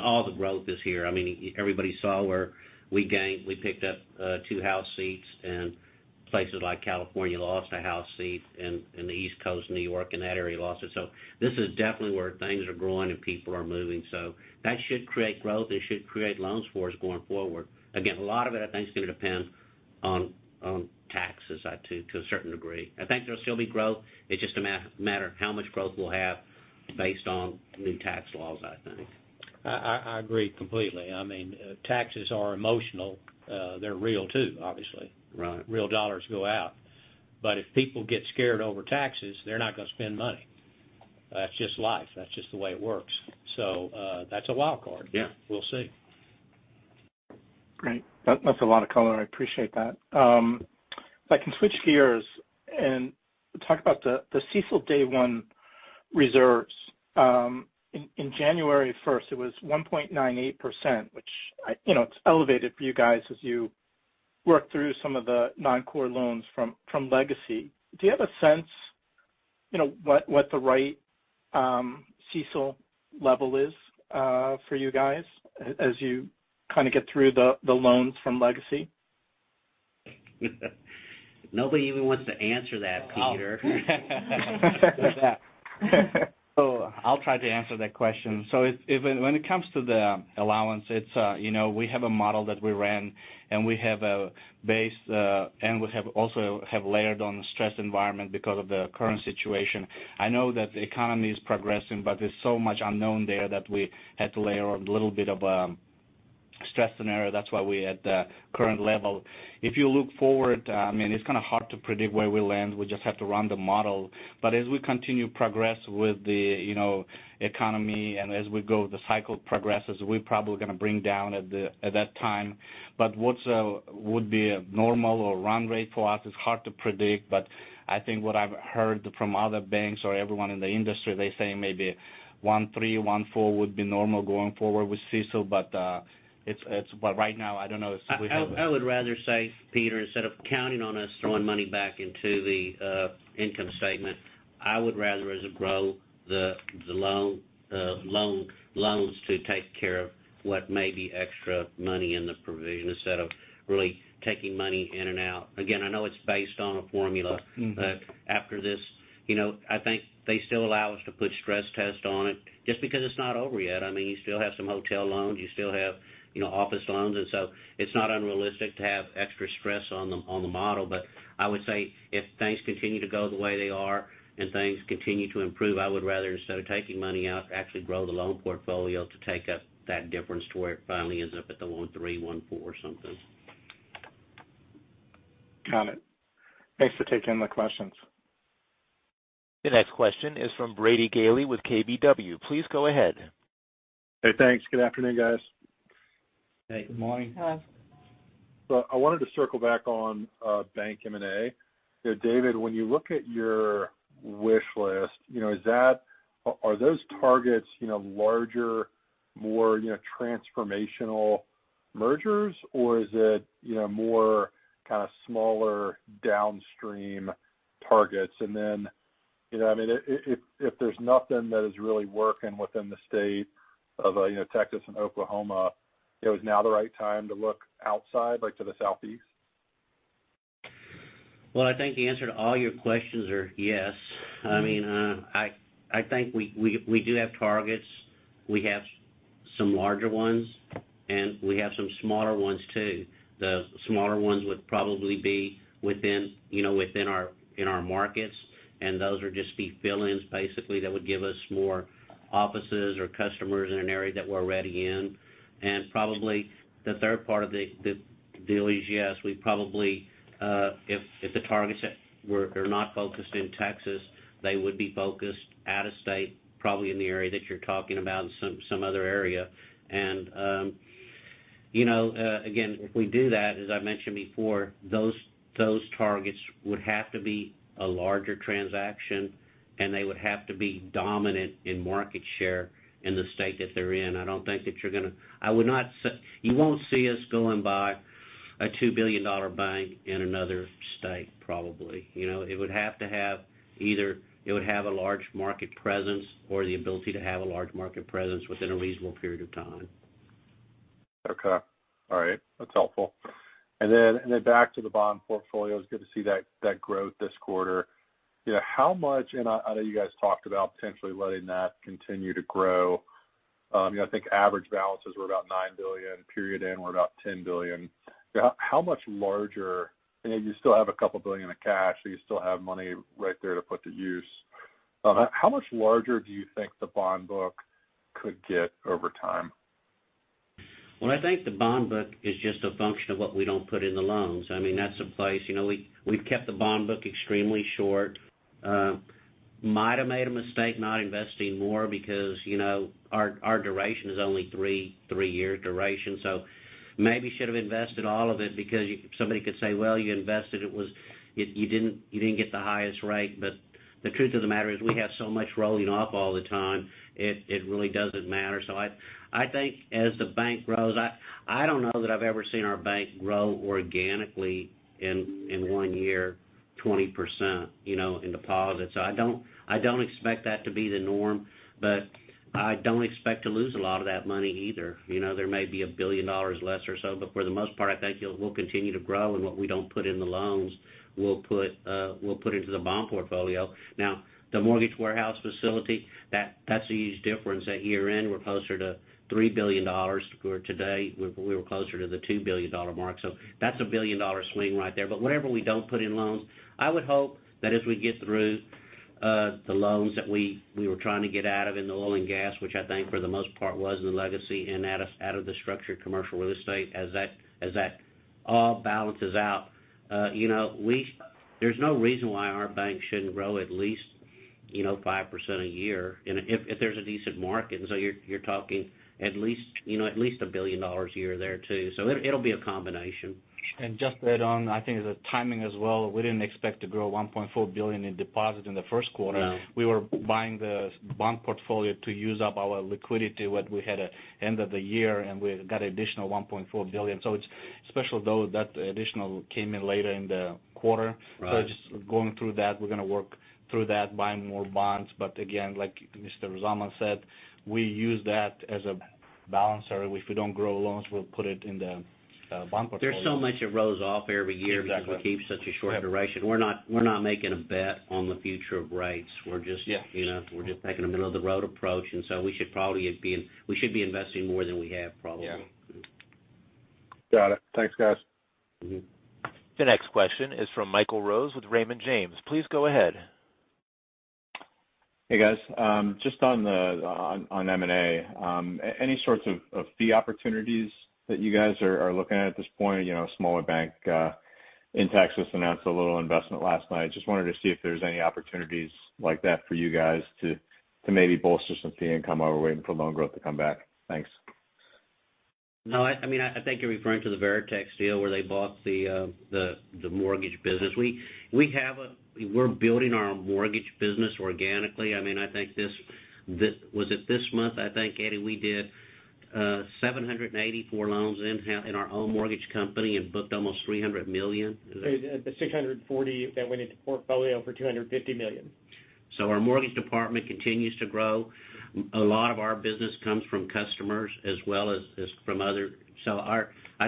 All the growth is here. Everybody saw where we picked up two House seats and places like California lost a House seat, and the East Coast, New York, and that area lost it. This is definitely where things are growing and people are moving. That should create growth, it should create loans for us going forward. Again, a lot of it, I think, is going to depend on taxes to a certain degree. I think there'll still be growth. It's just a matter of how much growth we'll have based on new tax laws, I think.
I agree completely. Taxes are emotional. They're real too, obviously.
Right.
Real dollars go out. If people get scared over taxes, they're not going to spend money. That's just life. That's just the way it works. That's a wildcard.
Yeah.
We'll see.
Great. That's a lot of color. I appreciate that. I can switch gears and talk about the CECL day one reserves. In January 1st, it was 1.98%, which it's elevated for you guys as you work through some of the non-core loans from legacy. Do you have a sense what the right CECL level is for you guys as you kind of get through the loans from legacy?
Nobody even wants to answer that, Peter.
I'll try to answer that question. When it comes to the Allowance, we have a model that we ran, and we have a base, and we have also layered on stress environment because of the current situation. I know that the economy is progressing, but there's so much unknown there that we had to layer a little bit of a stress scenario. That's why we're at the current level. If you look forward, it's kind of hard to predict where we'll land. We just have to run the model. As we continue progress with the economy and as we go, the cycle progresses, we're probably going to bring down at that time. What would be a normal or run rate for us is hard to predict, but I think what I've heard from other banks or everyone in the industry, they say maybe 1.3, 1.4 would be normal going forward with CECL. Right now, I don't know.
I would rather say, Peter, instead of counting on us throwing money back into the income statement, I would rather grow the loans to take care of what may be extra money in the provision, instead of really taking money in and out. Again, I know it is based on a formula. After this, I think they still allow us to put stress test on it just because it's not over yet. You still have some hotel loans, you still have office loans, and so it's not unrealistic to have extra stress on the model. I would say if things continue to go the way they are and things continue to improve, I would rather, instead of taking money out, actually grow the loan portfolio to take up that difference to where it finally ends up at the 1.3, 1.4 something.
Got it. Thanks for taking my questions.
The next question is from Brady Gailey with KBW. Please go ahead.
Hey, thanks. Good afternoon, guys.
Hey, good morning.
Hello.
I wanted to circle back on bank M&A. David, when you look at your wish list, are those targets larger, more transformational mergers, or is it more kind of smaller downstream targets? If there's nothing that is really working within the state of Texas and Oklahoma, is now the right time to look outside, like to the Southeast?
Well, I think the answer to all your questions are yes. I think we do have targets. We have some larger ones, and we have some smaller ones too. The smaller ones would probably be within our markets, and those would just be fill-ins, basically, that would give us more offices or customers in an area that we're already in. Probably the third part of the deal is, yes, if the targets were not focused in Texas, they would be focused out of state, probably in the area that you're talking about and some other area. Again, if we do that, as I mentioned before, those targets would have to be a larger transaction, and they would have to be dominant in market share in the state that they're in. You won't see us going buy a $2 billion bank in another state, probably. It would have to have either a large market presence or the ability to have a large market presence within a reasonable period of time.
Okay. All right. That's helpful. Back to the bond portfolio, it's good to see that growth this quarter. I know you guys talked about potentially letting that continue to grow. I think average balances were about $9 billion. Period end, we're about $10 billion. You still have a couple billion of cash, so you still have money right there to put to use. How much larger do you think the bond book could get over time?
Well, I think the bond book is just a function of what we don't put in the loans. That's in place. We've kept the bond book extremely short. Might've made a mistake not investing more because our duration is only three-year duration. Maybe should've invested all of it because somebody could say, "Well, you invested, you didn't get the highest rate." The truth of the matter is, we have so much rolling off all the time, it really doesn't matter. I think as the bank grows, I don't know that I've ever seen our bank grow organically in one year, 20% in deposits. I don't expect that to be the norm, I don't expect to lose a lot of that money either. There may be $1 billion less or so, for the most part, I think it will continue to grow. What we don't put in the loans, we'll put into the bond portfolio. The mortgage warehouse facility, that's a huge difference. At year-end, we're closer to $3 billion. For today, we were closer to the $2 billion mark. That's a $1 billion-dollar swing right there. Whatever we don't put in loans, I would hope that as we get through the loans that we were trying to get out of in the oil and gas, which I think for the most part was in the legacy and out of the structured commercial real estate, as that all balances out, there's no reason why our bank shouldn't grow at least 5% a year if there's a decent market. You're talking at least $1 billion a year there, too. It'll be a combination.
Just to add on, I think the timing as well, we didn't expect to grow $1.4 billion in deposit in the first quarter. We were buying the bond portfolio to use up our liquidity, what we had at end of the year, and we got additional $1.4 billion. Especially though that additional came in later in the quarter. Just going through that, we're going to work through that, buying more bonds. Again, like Mr. Zalman said, we use that as a balancer. If we don't grow loans, we'll put it in the bond portfolio.
There's so much that rolls off every year. We keep such a short duration. We're not making a bet on the future of rates. We're just taking a middle of the road approach, and so we should be investing more than we have, probably.
Yeah.
Got it. Thanks, guys.
The next question is from Michael Rose with Raymond James. Please go ahead.
Hey, guys. Just on the M&A, any sorts of fee opportunities that you guys are looking at this point? A smaller bank, in Texas, announced a little investment last night. Just wanted to see if there's any opportunities like that for you guys to maybe bolster some fee income while we're waiting for loan growth to come back. Thanks.
No, I think you're referring to the Veritex deal where they bought the mortgage business. We're building our mortgage business organically. Was it this month, I think, Eddie, we did 784 loans in our own mortgage company and booked almost $300 million?
The 640 that went into the portfolio for $250 million.
Our mortgage department continues to grow. I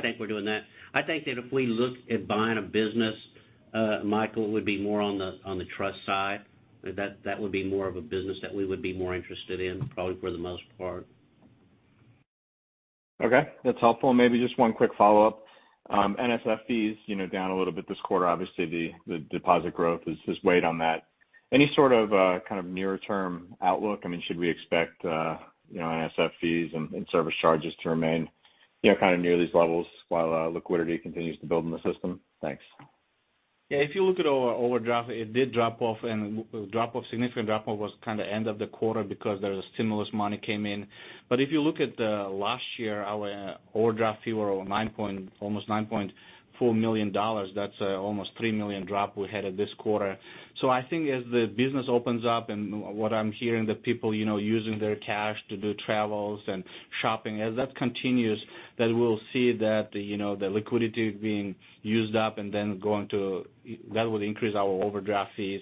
think we're doing that. I think that if we look at buying a business, Michael Rose, it would be more on the trust side. That would be more of a business that we would be more interested in, probably for the most part.
Okay. That's helpful. Maybe just one quick follow-up. NSF fees, down a little bit this quarter. Obviously, the deposit growth has weighed on that. Any sort of nearer term outlook? Should we expect NSF fees and service charges to remain kind of near these levels while liquidity continues to build in the system? Thanks.
Yeah, if you look at our overdraft, it did drop off. Significant drop-off was kind of end of the quarter because there's stimulus money came in. If you look at the last year, our overdraft fee were almost $9.4 million. That's almost $3 million drop we had at this quarter. I think as the business opens up and what I'm hearing the people using their cash to do travels and shopping, as that continues, we'll see that the liquidity being used up and then that will increase our overdraft fees.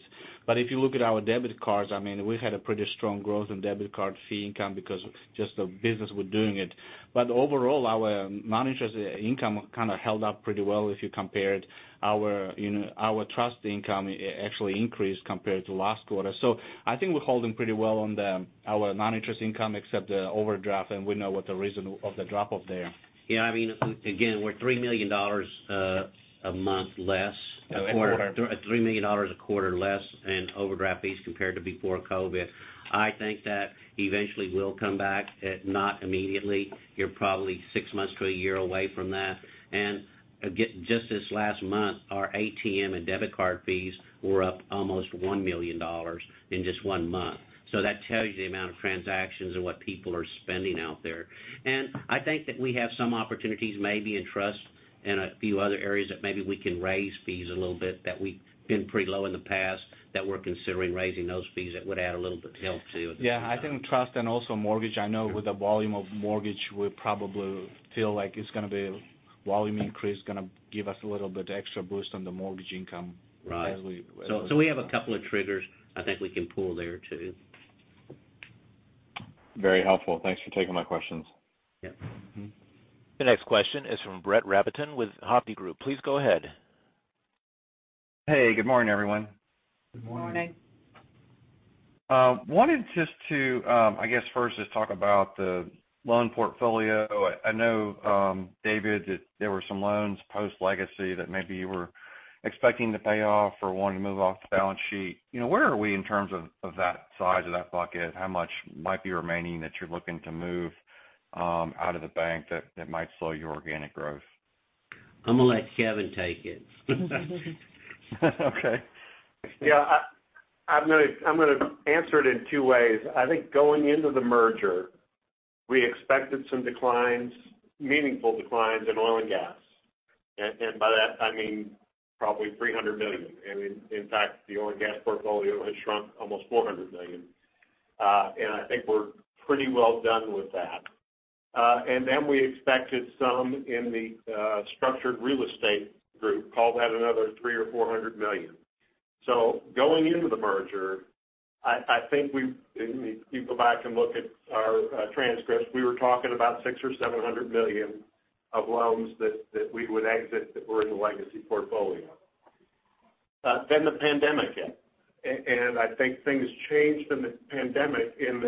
If you look at our debit cards, we had a pretty strong growth in debit card fee income because just the business were doing it. Overall, our non-interest income kind of held up pretty well if you compared our trust income actually increased compared to last quarter. I think we're holding pretty well on our non-interest income except the overdraft, and we know what the reason of the drop-off there.
Yeah. Again, we're $3 million a month less.
A quarter.
$3 million a quarter less in overdraft fees compared to before COVID. I think that eventually will come back, if not immediately. You're probably six months to a year away from that. Again, just this last month, our ATM and debit card fees were up almost $1 million in just one month. That tells you the amount of transactions and what people are spending out there. I think that we have some opportunities maybe in trust and a few other areas that maybe we can raise fees a little bit, that we've been pretty low in the past, that we're considering raising those fees. That would add a little bit help, too.
I think trust and also mortgage. I know with the volume of mortgage, we probably feel like it's going to be volume increase going to give us a little bit extra boost on the mortgage income.
Right
as we-
We have a couple of triggers I think we can pull there, too.
Very helpful. Thanks for taking my questions.
Yeah. Mm-hmm.
The next question is from Brett Rabatin with Hovde Group. Please go ahead.
Hey, good morning, everyone.
Good morning.
Good morning.
wanted just to, I guess, first just talk about the loan portfolio. I know, David, that there were some loans post-legacy that maybe you were expecting to pay off or wanting to move off the balance sheet. Where are we in terms of that size of that bucket? How much might be remaining that you're looking to move out of the bank that might slow your organic growth?
I'm going to let Kevin take it.
Okay.
Yeah. I'm going to answer it in two ways. I think going into the merger, we expected some declines, meaningful declines in oil and gas. By that I mean probably $300 million. In fact, the oil and gas portfolio has shrunk almost $400 million. I think we're pretty well done with that. We expected some in the structured real estate group, call that another $300 million or $400 million. Going into the merger, I think if you go back and look at our transcripts, we were talking about $600 million or $700 million of loans that we would exit that were in the legacy portfolio. The pandemic hit, and I think things changed in the pandemic in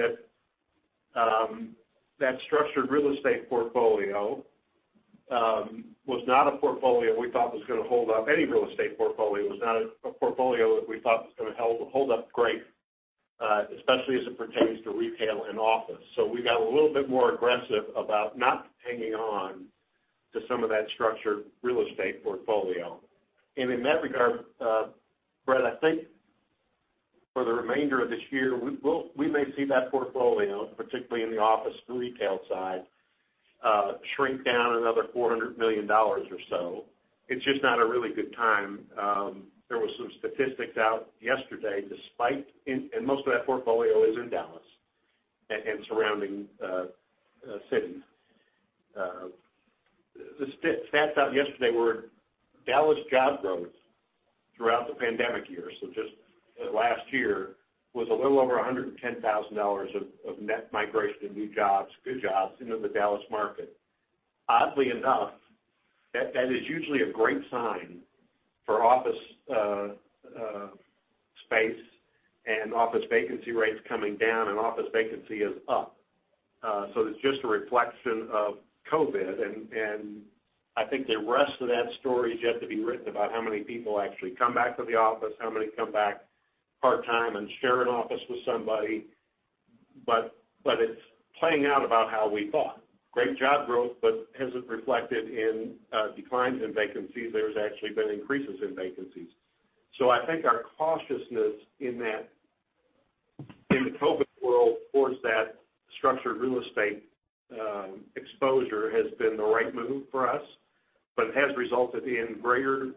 that structured real estate portfolio was not a portfolio we thought was going to hold up. Any real estate portfolio was not a portfolio that we thought was going to hold up great, especially as it pertains to retail and office. We got a little bit more aggressive about not hanging on to some of that structured real estate portfolio. In that regard, Brett, I think for the remainder of this year, we may see that portfolio, particularly in the office retail side, shrink down another $400 million or so. It's just not a really good time. There was some statistics out yesterday, despite most of that portfolio is in Dallas, and surrounding cities. The stats out yesterday were Dallas job growth throughout the pandemic year, so just last year, was a little over 110,000 of net migration of new jobs, good jobs into the Dallas market. Oddly enough, that is usually a great sign for office space and office vacancy rates coming down and office vacancy is up. It's just a reflection of COVID, and I think the rest of that story is yet to be written about how many people actually come back to the office, how many come back part-time and share an office with somebody. It's playing out about how we thought. Great job growth, but as it reflected in declines in vacancies, there's actually been increases in vacancies. I think our cautiousness in the COVID world towards that structured real estate exposure has been the right move for us, but it has resulted in greater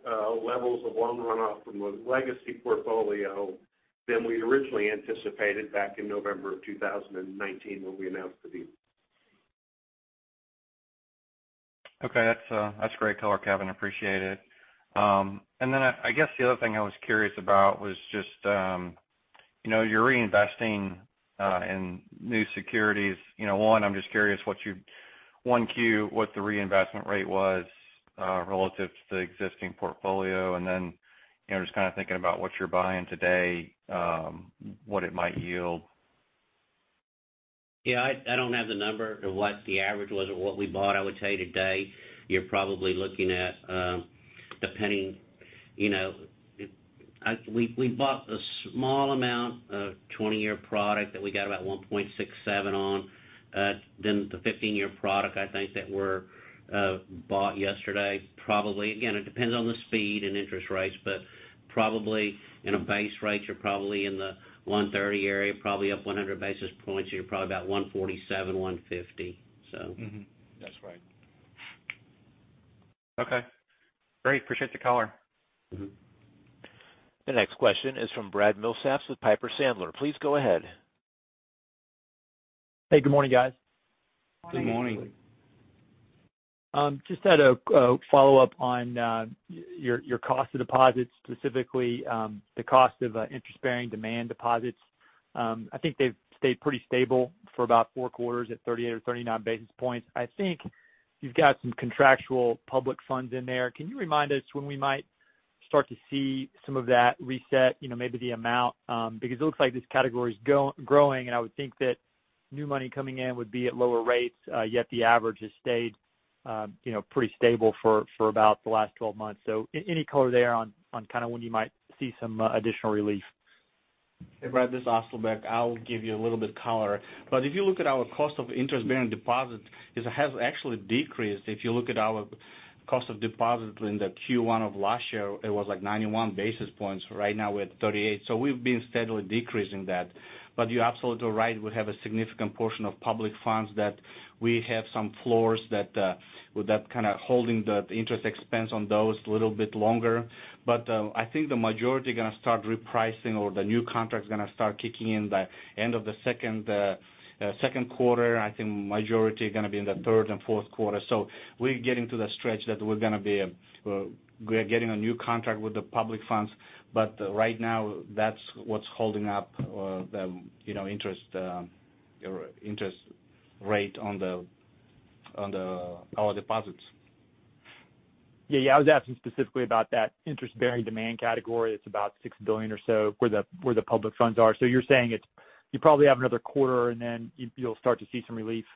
levels of loan runoff from the legacy portfolio than we'd originally anticipated back in November of 2019 when we announced the deal.
Okay, that's great color, Kevin. Appreciate it. I guess the other thing I was curious about was just, you're reinvesting in new securities. One, I'm just curious what you, 1Q, what the reinvestment rate was relative to the existing portfolio, just kind of thinking about what you're buying today, what it might yield.
Yeah, I don't have the number of what the average was of what we bought. I would tell you today. We bought a small amount of 20-year product that we got about 1.67% on. The 15-year product, I think that were bought yesterday, probably, again, it depends on the speed and interest rates, but probably in a base rate, you're probably in the 130 area, probably up 100 basis points. You're probably about 147, 150.
Okay. Great. Appreciate the color.
The next question is from Brad Milsaps with Piper Sandler. Please go ahead.
Hey, good morning, guys.
Good morning.
Good morning.
Just had a follow-up on your cost of deposits, specifically, the cost of interest-bearing demand deposits. I think they've stayed pretty stable for about four quarters at 38 or 39 basis points. I think you've got some contractual public funds in there. Can you remind us when we might start to see some of that reset, maybe the amount? Because it looks like this category is growing, and I would think that new money coming in would be at lower rates, yet the average has stayed pretty stable for about the last 12 months. Any color there on kind of when you might see some additional relief?
Hey, Brad, this is Asylbek. I'll give you a little bit color. If you look at our cost of interest-bearing deposits, it has actually decreased. If you look at our cost of deposits in the Q1 of last year, it was like 91 basis points. Right now, we're at 38. We've been steadily decreasing that. You're absolutely right, we have a significant portion of public funds that we have some floors with that kind of holding the interest expense on those a little bit longer. I think the majority are going to start repricing or the new contract's going to start kicking in by end of the second quarter. I think majority are going to be in the third and fourth quarter. We're getting to the stretch that we're getting a new contract with the public funds. Right now, that's what's holding up the interest rate. Our deposits.
Yeah. I was asking specifically about that interest-bearing demand category that's about $6 billion or so, where the public funds are. You're saying you probably have another quarter, and then you'll start to see some relief?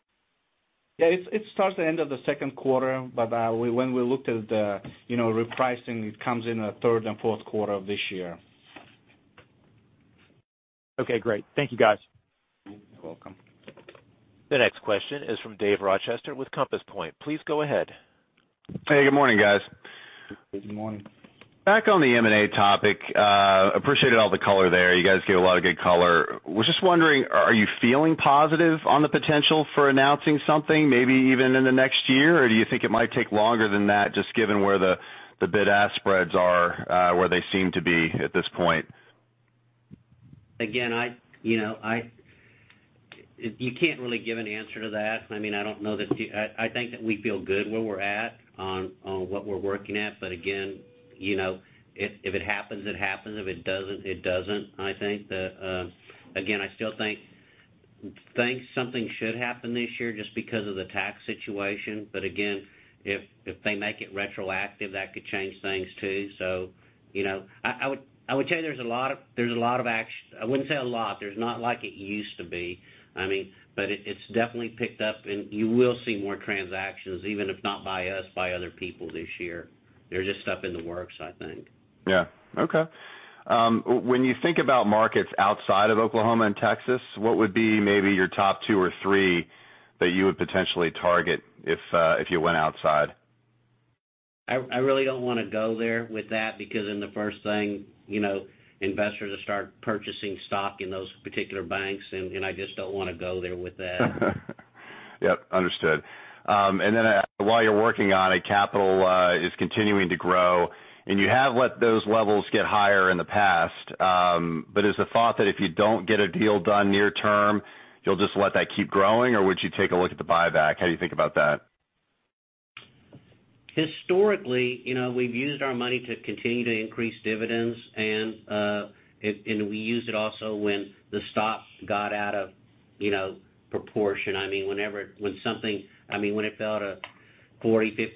Yeah. It starts at end of the second quarter, but when we looked at the repricing, it comes in the third and fourth quarter of this year.
Okay, great. Thank you, guys.
You're welcome.
The next question is from Dave Rochester with Compass Point. Please go ahead.
Hey, good morning, guys.
Good morning.
Back on the M&A topic, appreciated all the color there. You guys gave a lot of good color. Was just wondering, are you feeling positive on the potential for announcing something, maybe even in the next year? Do you think it might take longer than that, just given where the bid-ask spreads are, where they seem to be at this point?
You can't really give an answer to that. I think that we feel good where we're at on what we're working at. If it happens, it happens. If it doesn't, it doesn't. I still think something should happen this year just because of the tax situation. If they make it retroactive, that could change things too. I would say there's a lot of action. I wouldn't say a lot. There's not like it used to be. It's definitely picked up, and you will see more transactions, even if not by us, by other people this year. They're just up in the works, I think.
Yeah. Okay. When you think about markets outside of Oklahoma and Texas, what would be maybe your top two or three that you would potentially target if you went outside?
I really don't want to go there with that because in the first thing, investors will start purchasing stock in those particular banks, and I just don't want to go there with that.
Yep, understood. While you're working on it, capital is continuing to grow, and you have let those levels get higher in the past. Is the thought that if you don't get a deal done near term, you'll just let that keep growing, or would you take a look at the buyback? How do you think about that?
Historically, we've used our money to continue to increase dividends, and we used it also when the stock got out of proportion. When it fell to $40,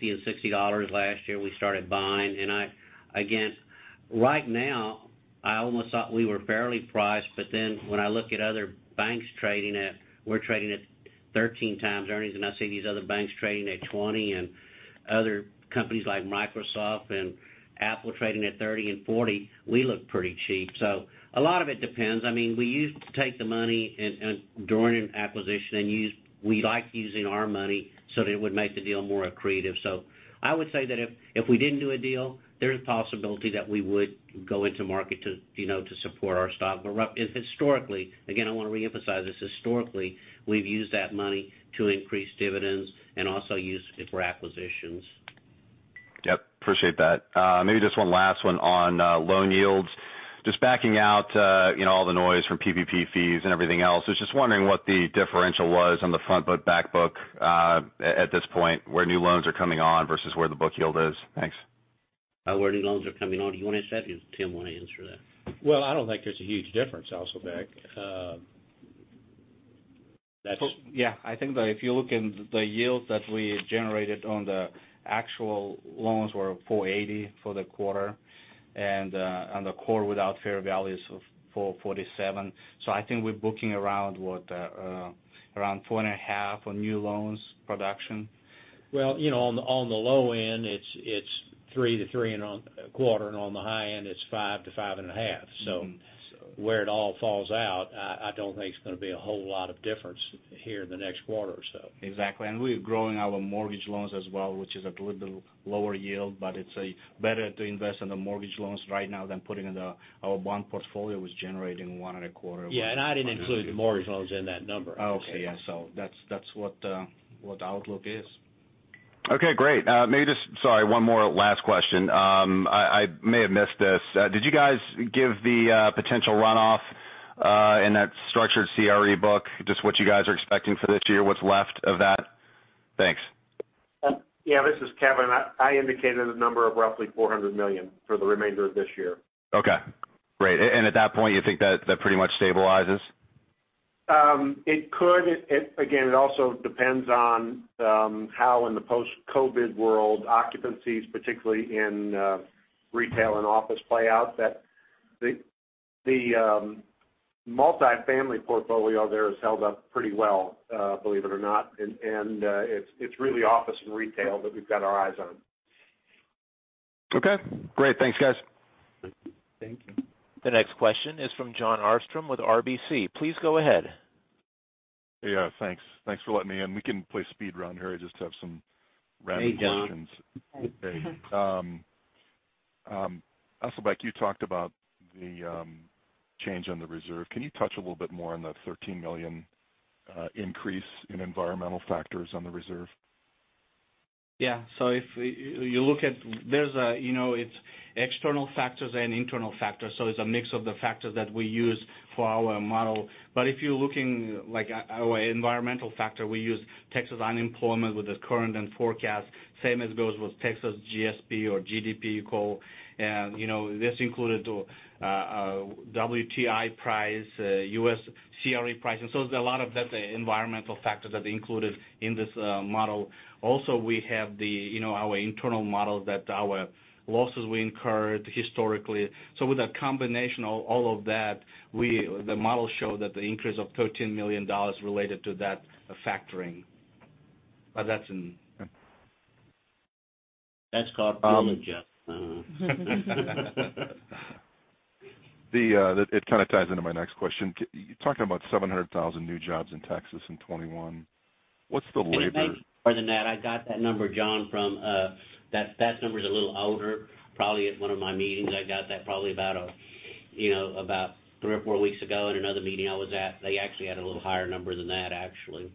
$50 and $60 last year, we started buying. Again, right now, I almost thought we were fairly priced. When I look at other banks trading at, we're trading at 13 times earnings, and I see these other banks trading at 20 and other companies like Microsoft and Apple trading at 30 and 40, we look pretty cheap. A lot of it depends. We used to take the money during an acquisition, and we liked using our money so that it would make the deal more accretive. I would say that if we didn't do a deal, there is a possibility that we would go into market to support our stock. Historically, again, I want to reemphasize this, historically, we've used that money to increase dividends and also used it for acquisitions.
Yep. Appreciate that. Maybe just one last one on loan yields. Just backing out all the noise from PPP fees and everything else. I was just wondering what the differential was on the front book, back book at this point, where new loans are coming on versus where the book yield is. Thanks.
Where new loans are coming on. Do you want to answer that, or does Tim want to answer that?
Well, I don't think there's a huge difference, Asylbek.
That's-
Yeah. I think that if you look in the yield that we generated on the actual loans were 480 for the quarter, and the core without fair value is 447. I think we're booking around what? Around 4.5 On new loans production.
Well, on the low end, it's 3%-3.25%, and on the high end, it's 5%-5.5%. Where it all falls out, I don't think it's going to be a whole lot of difference here in the next quarter or so.
Exactly. We're growing our mortgage loans as well, which is at a little lower yield, but it's better to invest in the mortgage loans right now than putting in our bond portfolio was generating one and a quarter.
Yeah, I didn't include the mortgage loans in that number.
Oh, okay. Yeah. That's what the outlook is.
Okay, great. Maybe just, sorry, one more last question. I may have missed this. Did you guys give the potential runoff in that structured CRE book, just what you guys are expecting for this year, what is left of that? Thanks.
Yeah, this is Kevin. I indicated a number of roughly $400 million for the remainder of this year.
Okay, great. At that point, you think that pretty much stabilizes?
It could. Again, it also depends on how in the post-COVID world occupancies, particularly in retail and office play out, that the multifamily portfolio there has held up pretty well, believe it or not. It's really office and retail that we've got our eyes on.
Okay, great. Thanks, guys.
Thank you.
The next question is from Jon Arfstrom with RBC. Please go ahead.
Yeah, thanks. Thanks for letting me in. We can play speed round here. I just have some random questions.
Hey, Jon.
Hey. Asylbek, you talked about the change on the reserve. Can you touch a little bit more on the $13 million increase in environmental factors on the reserve?
Yeah. If you look at, it's external factors and internal factors. It's a mix of the factors that we use for our model. If you're looking like our environmental factor, we use Texas unemployment with the current and forecast. Same as goes with Texas GSP or GDP call. This included WTI price, U.S. CRE price. There's a lot of that environmental factors that included in this model. Also, we have our internal models that our losses we incurred historically. With a combination of all of that, the model show that the increase of $13 million related to that factoring.
Oh, that's in.
That's called pulling a Jon. Mm-hmm.
It kind of ties into my next question. You're talking about 700,000 new jobs in Texas in 2021. What's the labor?
It may be more than that. I got that number, Jon. That number's a little older. Probably at one of my meetings, I got that probably about three or four weeks ago at another meeting I was at. They actually had a little higher number than that, actually.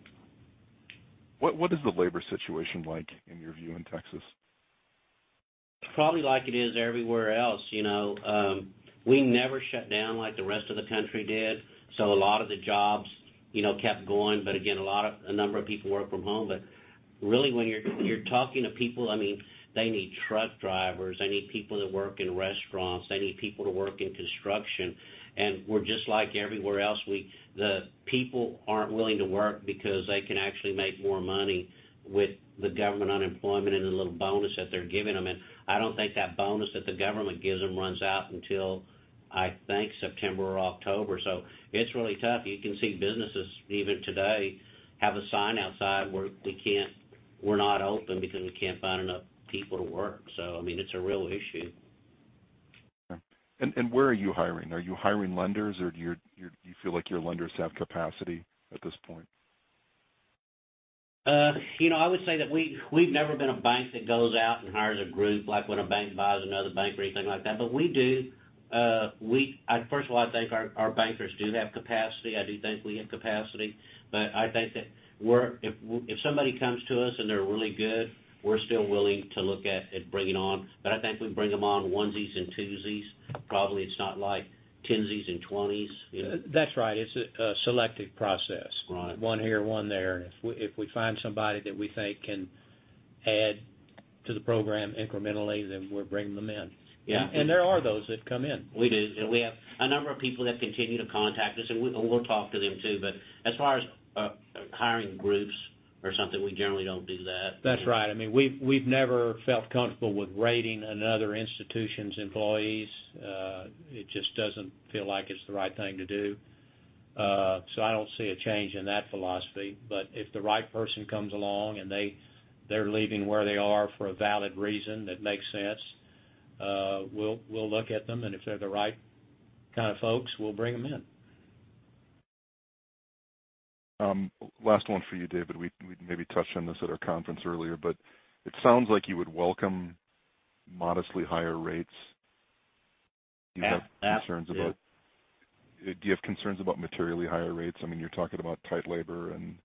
What is the labor situation like in your view in Texas?
It's probably like it is everywhere else. We never shut down like the rest of the country did, so a lot of the jobs kept going, but again, a number of people work from home. Really, when you're talking to people, they need truck drivers, they need people to work in restaurants, they need people to work in construction. We're just like everywhere else, the people aren't willing to work because they can actually make more money with the government unemployment and the little bonus that they're giving them. I don't think that bonus that the government gives them runs out until, I think, September or October. It's really tough. You can see businesses even today have a sign outside where we're not open because we can't find enough people to work. It's a real issue.
Yeah. Where are you hiring? Are you hiring lenders, or do you feel like your lenders have capacity at this point?
I would say that we've never been a bank that goes out and hires a group, like when a bank buys another bank or anything like that. First of all, I think our bankers do have capacity. I do think we have capacity. I think that if somebody comes to us and they're really good, we're still willing to look at bringing on, but I think we bring them on onesies and twosies, probably it's not like tensies and twenties.
That's right. It's a selective process.
Right.
One here, one there. If we find somebody that we think can add to the program incrementally, then we're bringing them in.
Yeah.
There are those that come in.
We do. We have a number of people that continue to contact us, and we'll talk to them, too. As far as hiring groups or something, we generally don't do that.
That's right. We've never felt comfortable with raiding another institution's employees. It just doesn't feel like it's the right thing to do. I don't see a change in that philosophy. If the right person comes along and they're leaving where they are for a valid reason that makes sense, we'll look at them, and if they're the right kind of folks, we'll bring them in.
Last one for you, David. We maybe touched on this at our conference earlier, but it sounds like you would welcome modestly higher rates.
Yeah.
Do you have concerns about materially higher rates? You're talking about tight labor and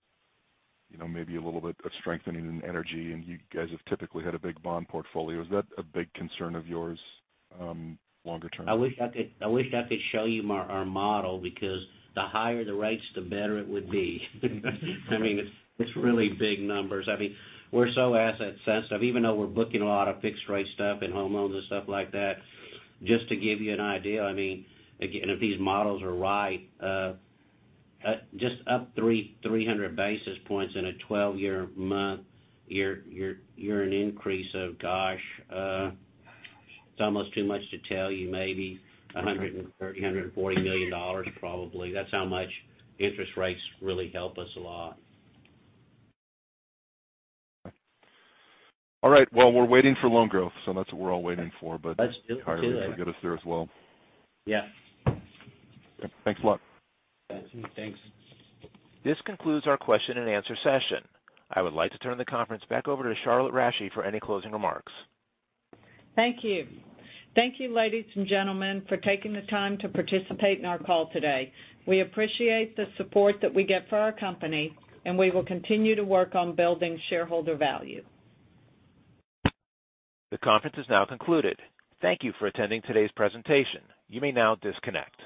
maybe a little bit of strengthening in energy, and you guys have typically had a big bond portfolio. Is that a big concern of yours longer term?
I wish I could show you our model because the higher the rates, the better it would be. It's really big numbers. We're so asset sensitive, even though we're booking a lot of fixed rate stuff and home loans and stuff like that. Just to give you an idea, again, if these models are right, just up 300 basis points in a 12-month, you're an increase of, gosh, it's almost too much to tell you. Maybe $130 million, $140 million, probably. That's how much interest rates really help us a lot.
All right. Well, we're waiting for loan growth, that's what we're all waiting for.
Let's do it too.
higher rates will get us there as well.
Yeah.
Thanks a lot.
Thanks.
This concludes our question and answer session. I would like to turn the conference back over to Charlotte Rasche for any closing remarks.
Thank you. Thank you, ladies and gentlemen, for taking the time to participate in our call today. We appreciate the support that we get for our company, and we will continue to work on building shareholder value.
The conference is now concluded. Thank you for attending today's presentation. You may now disconnect.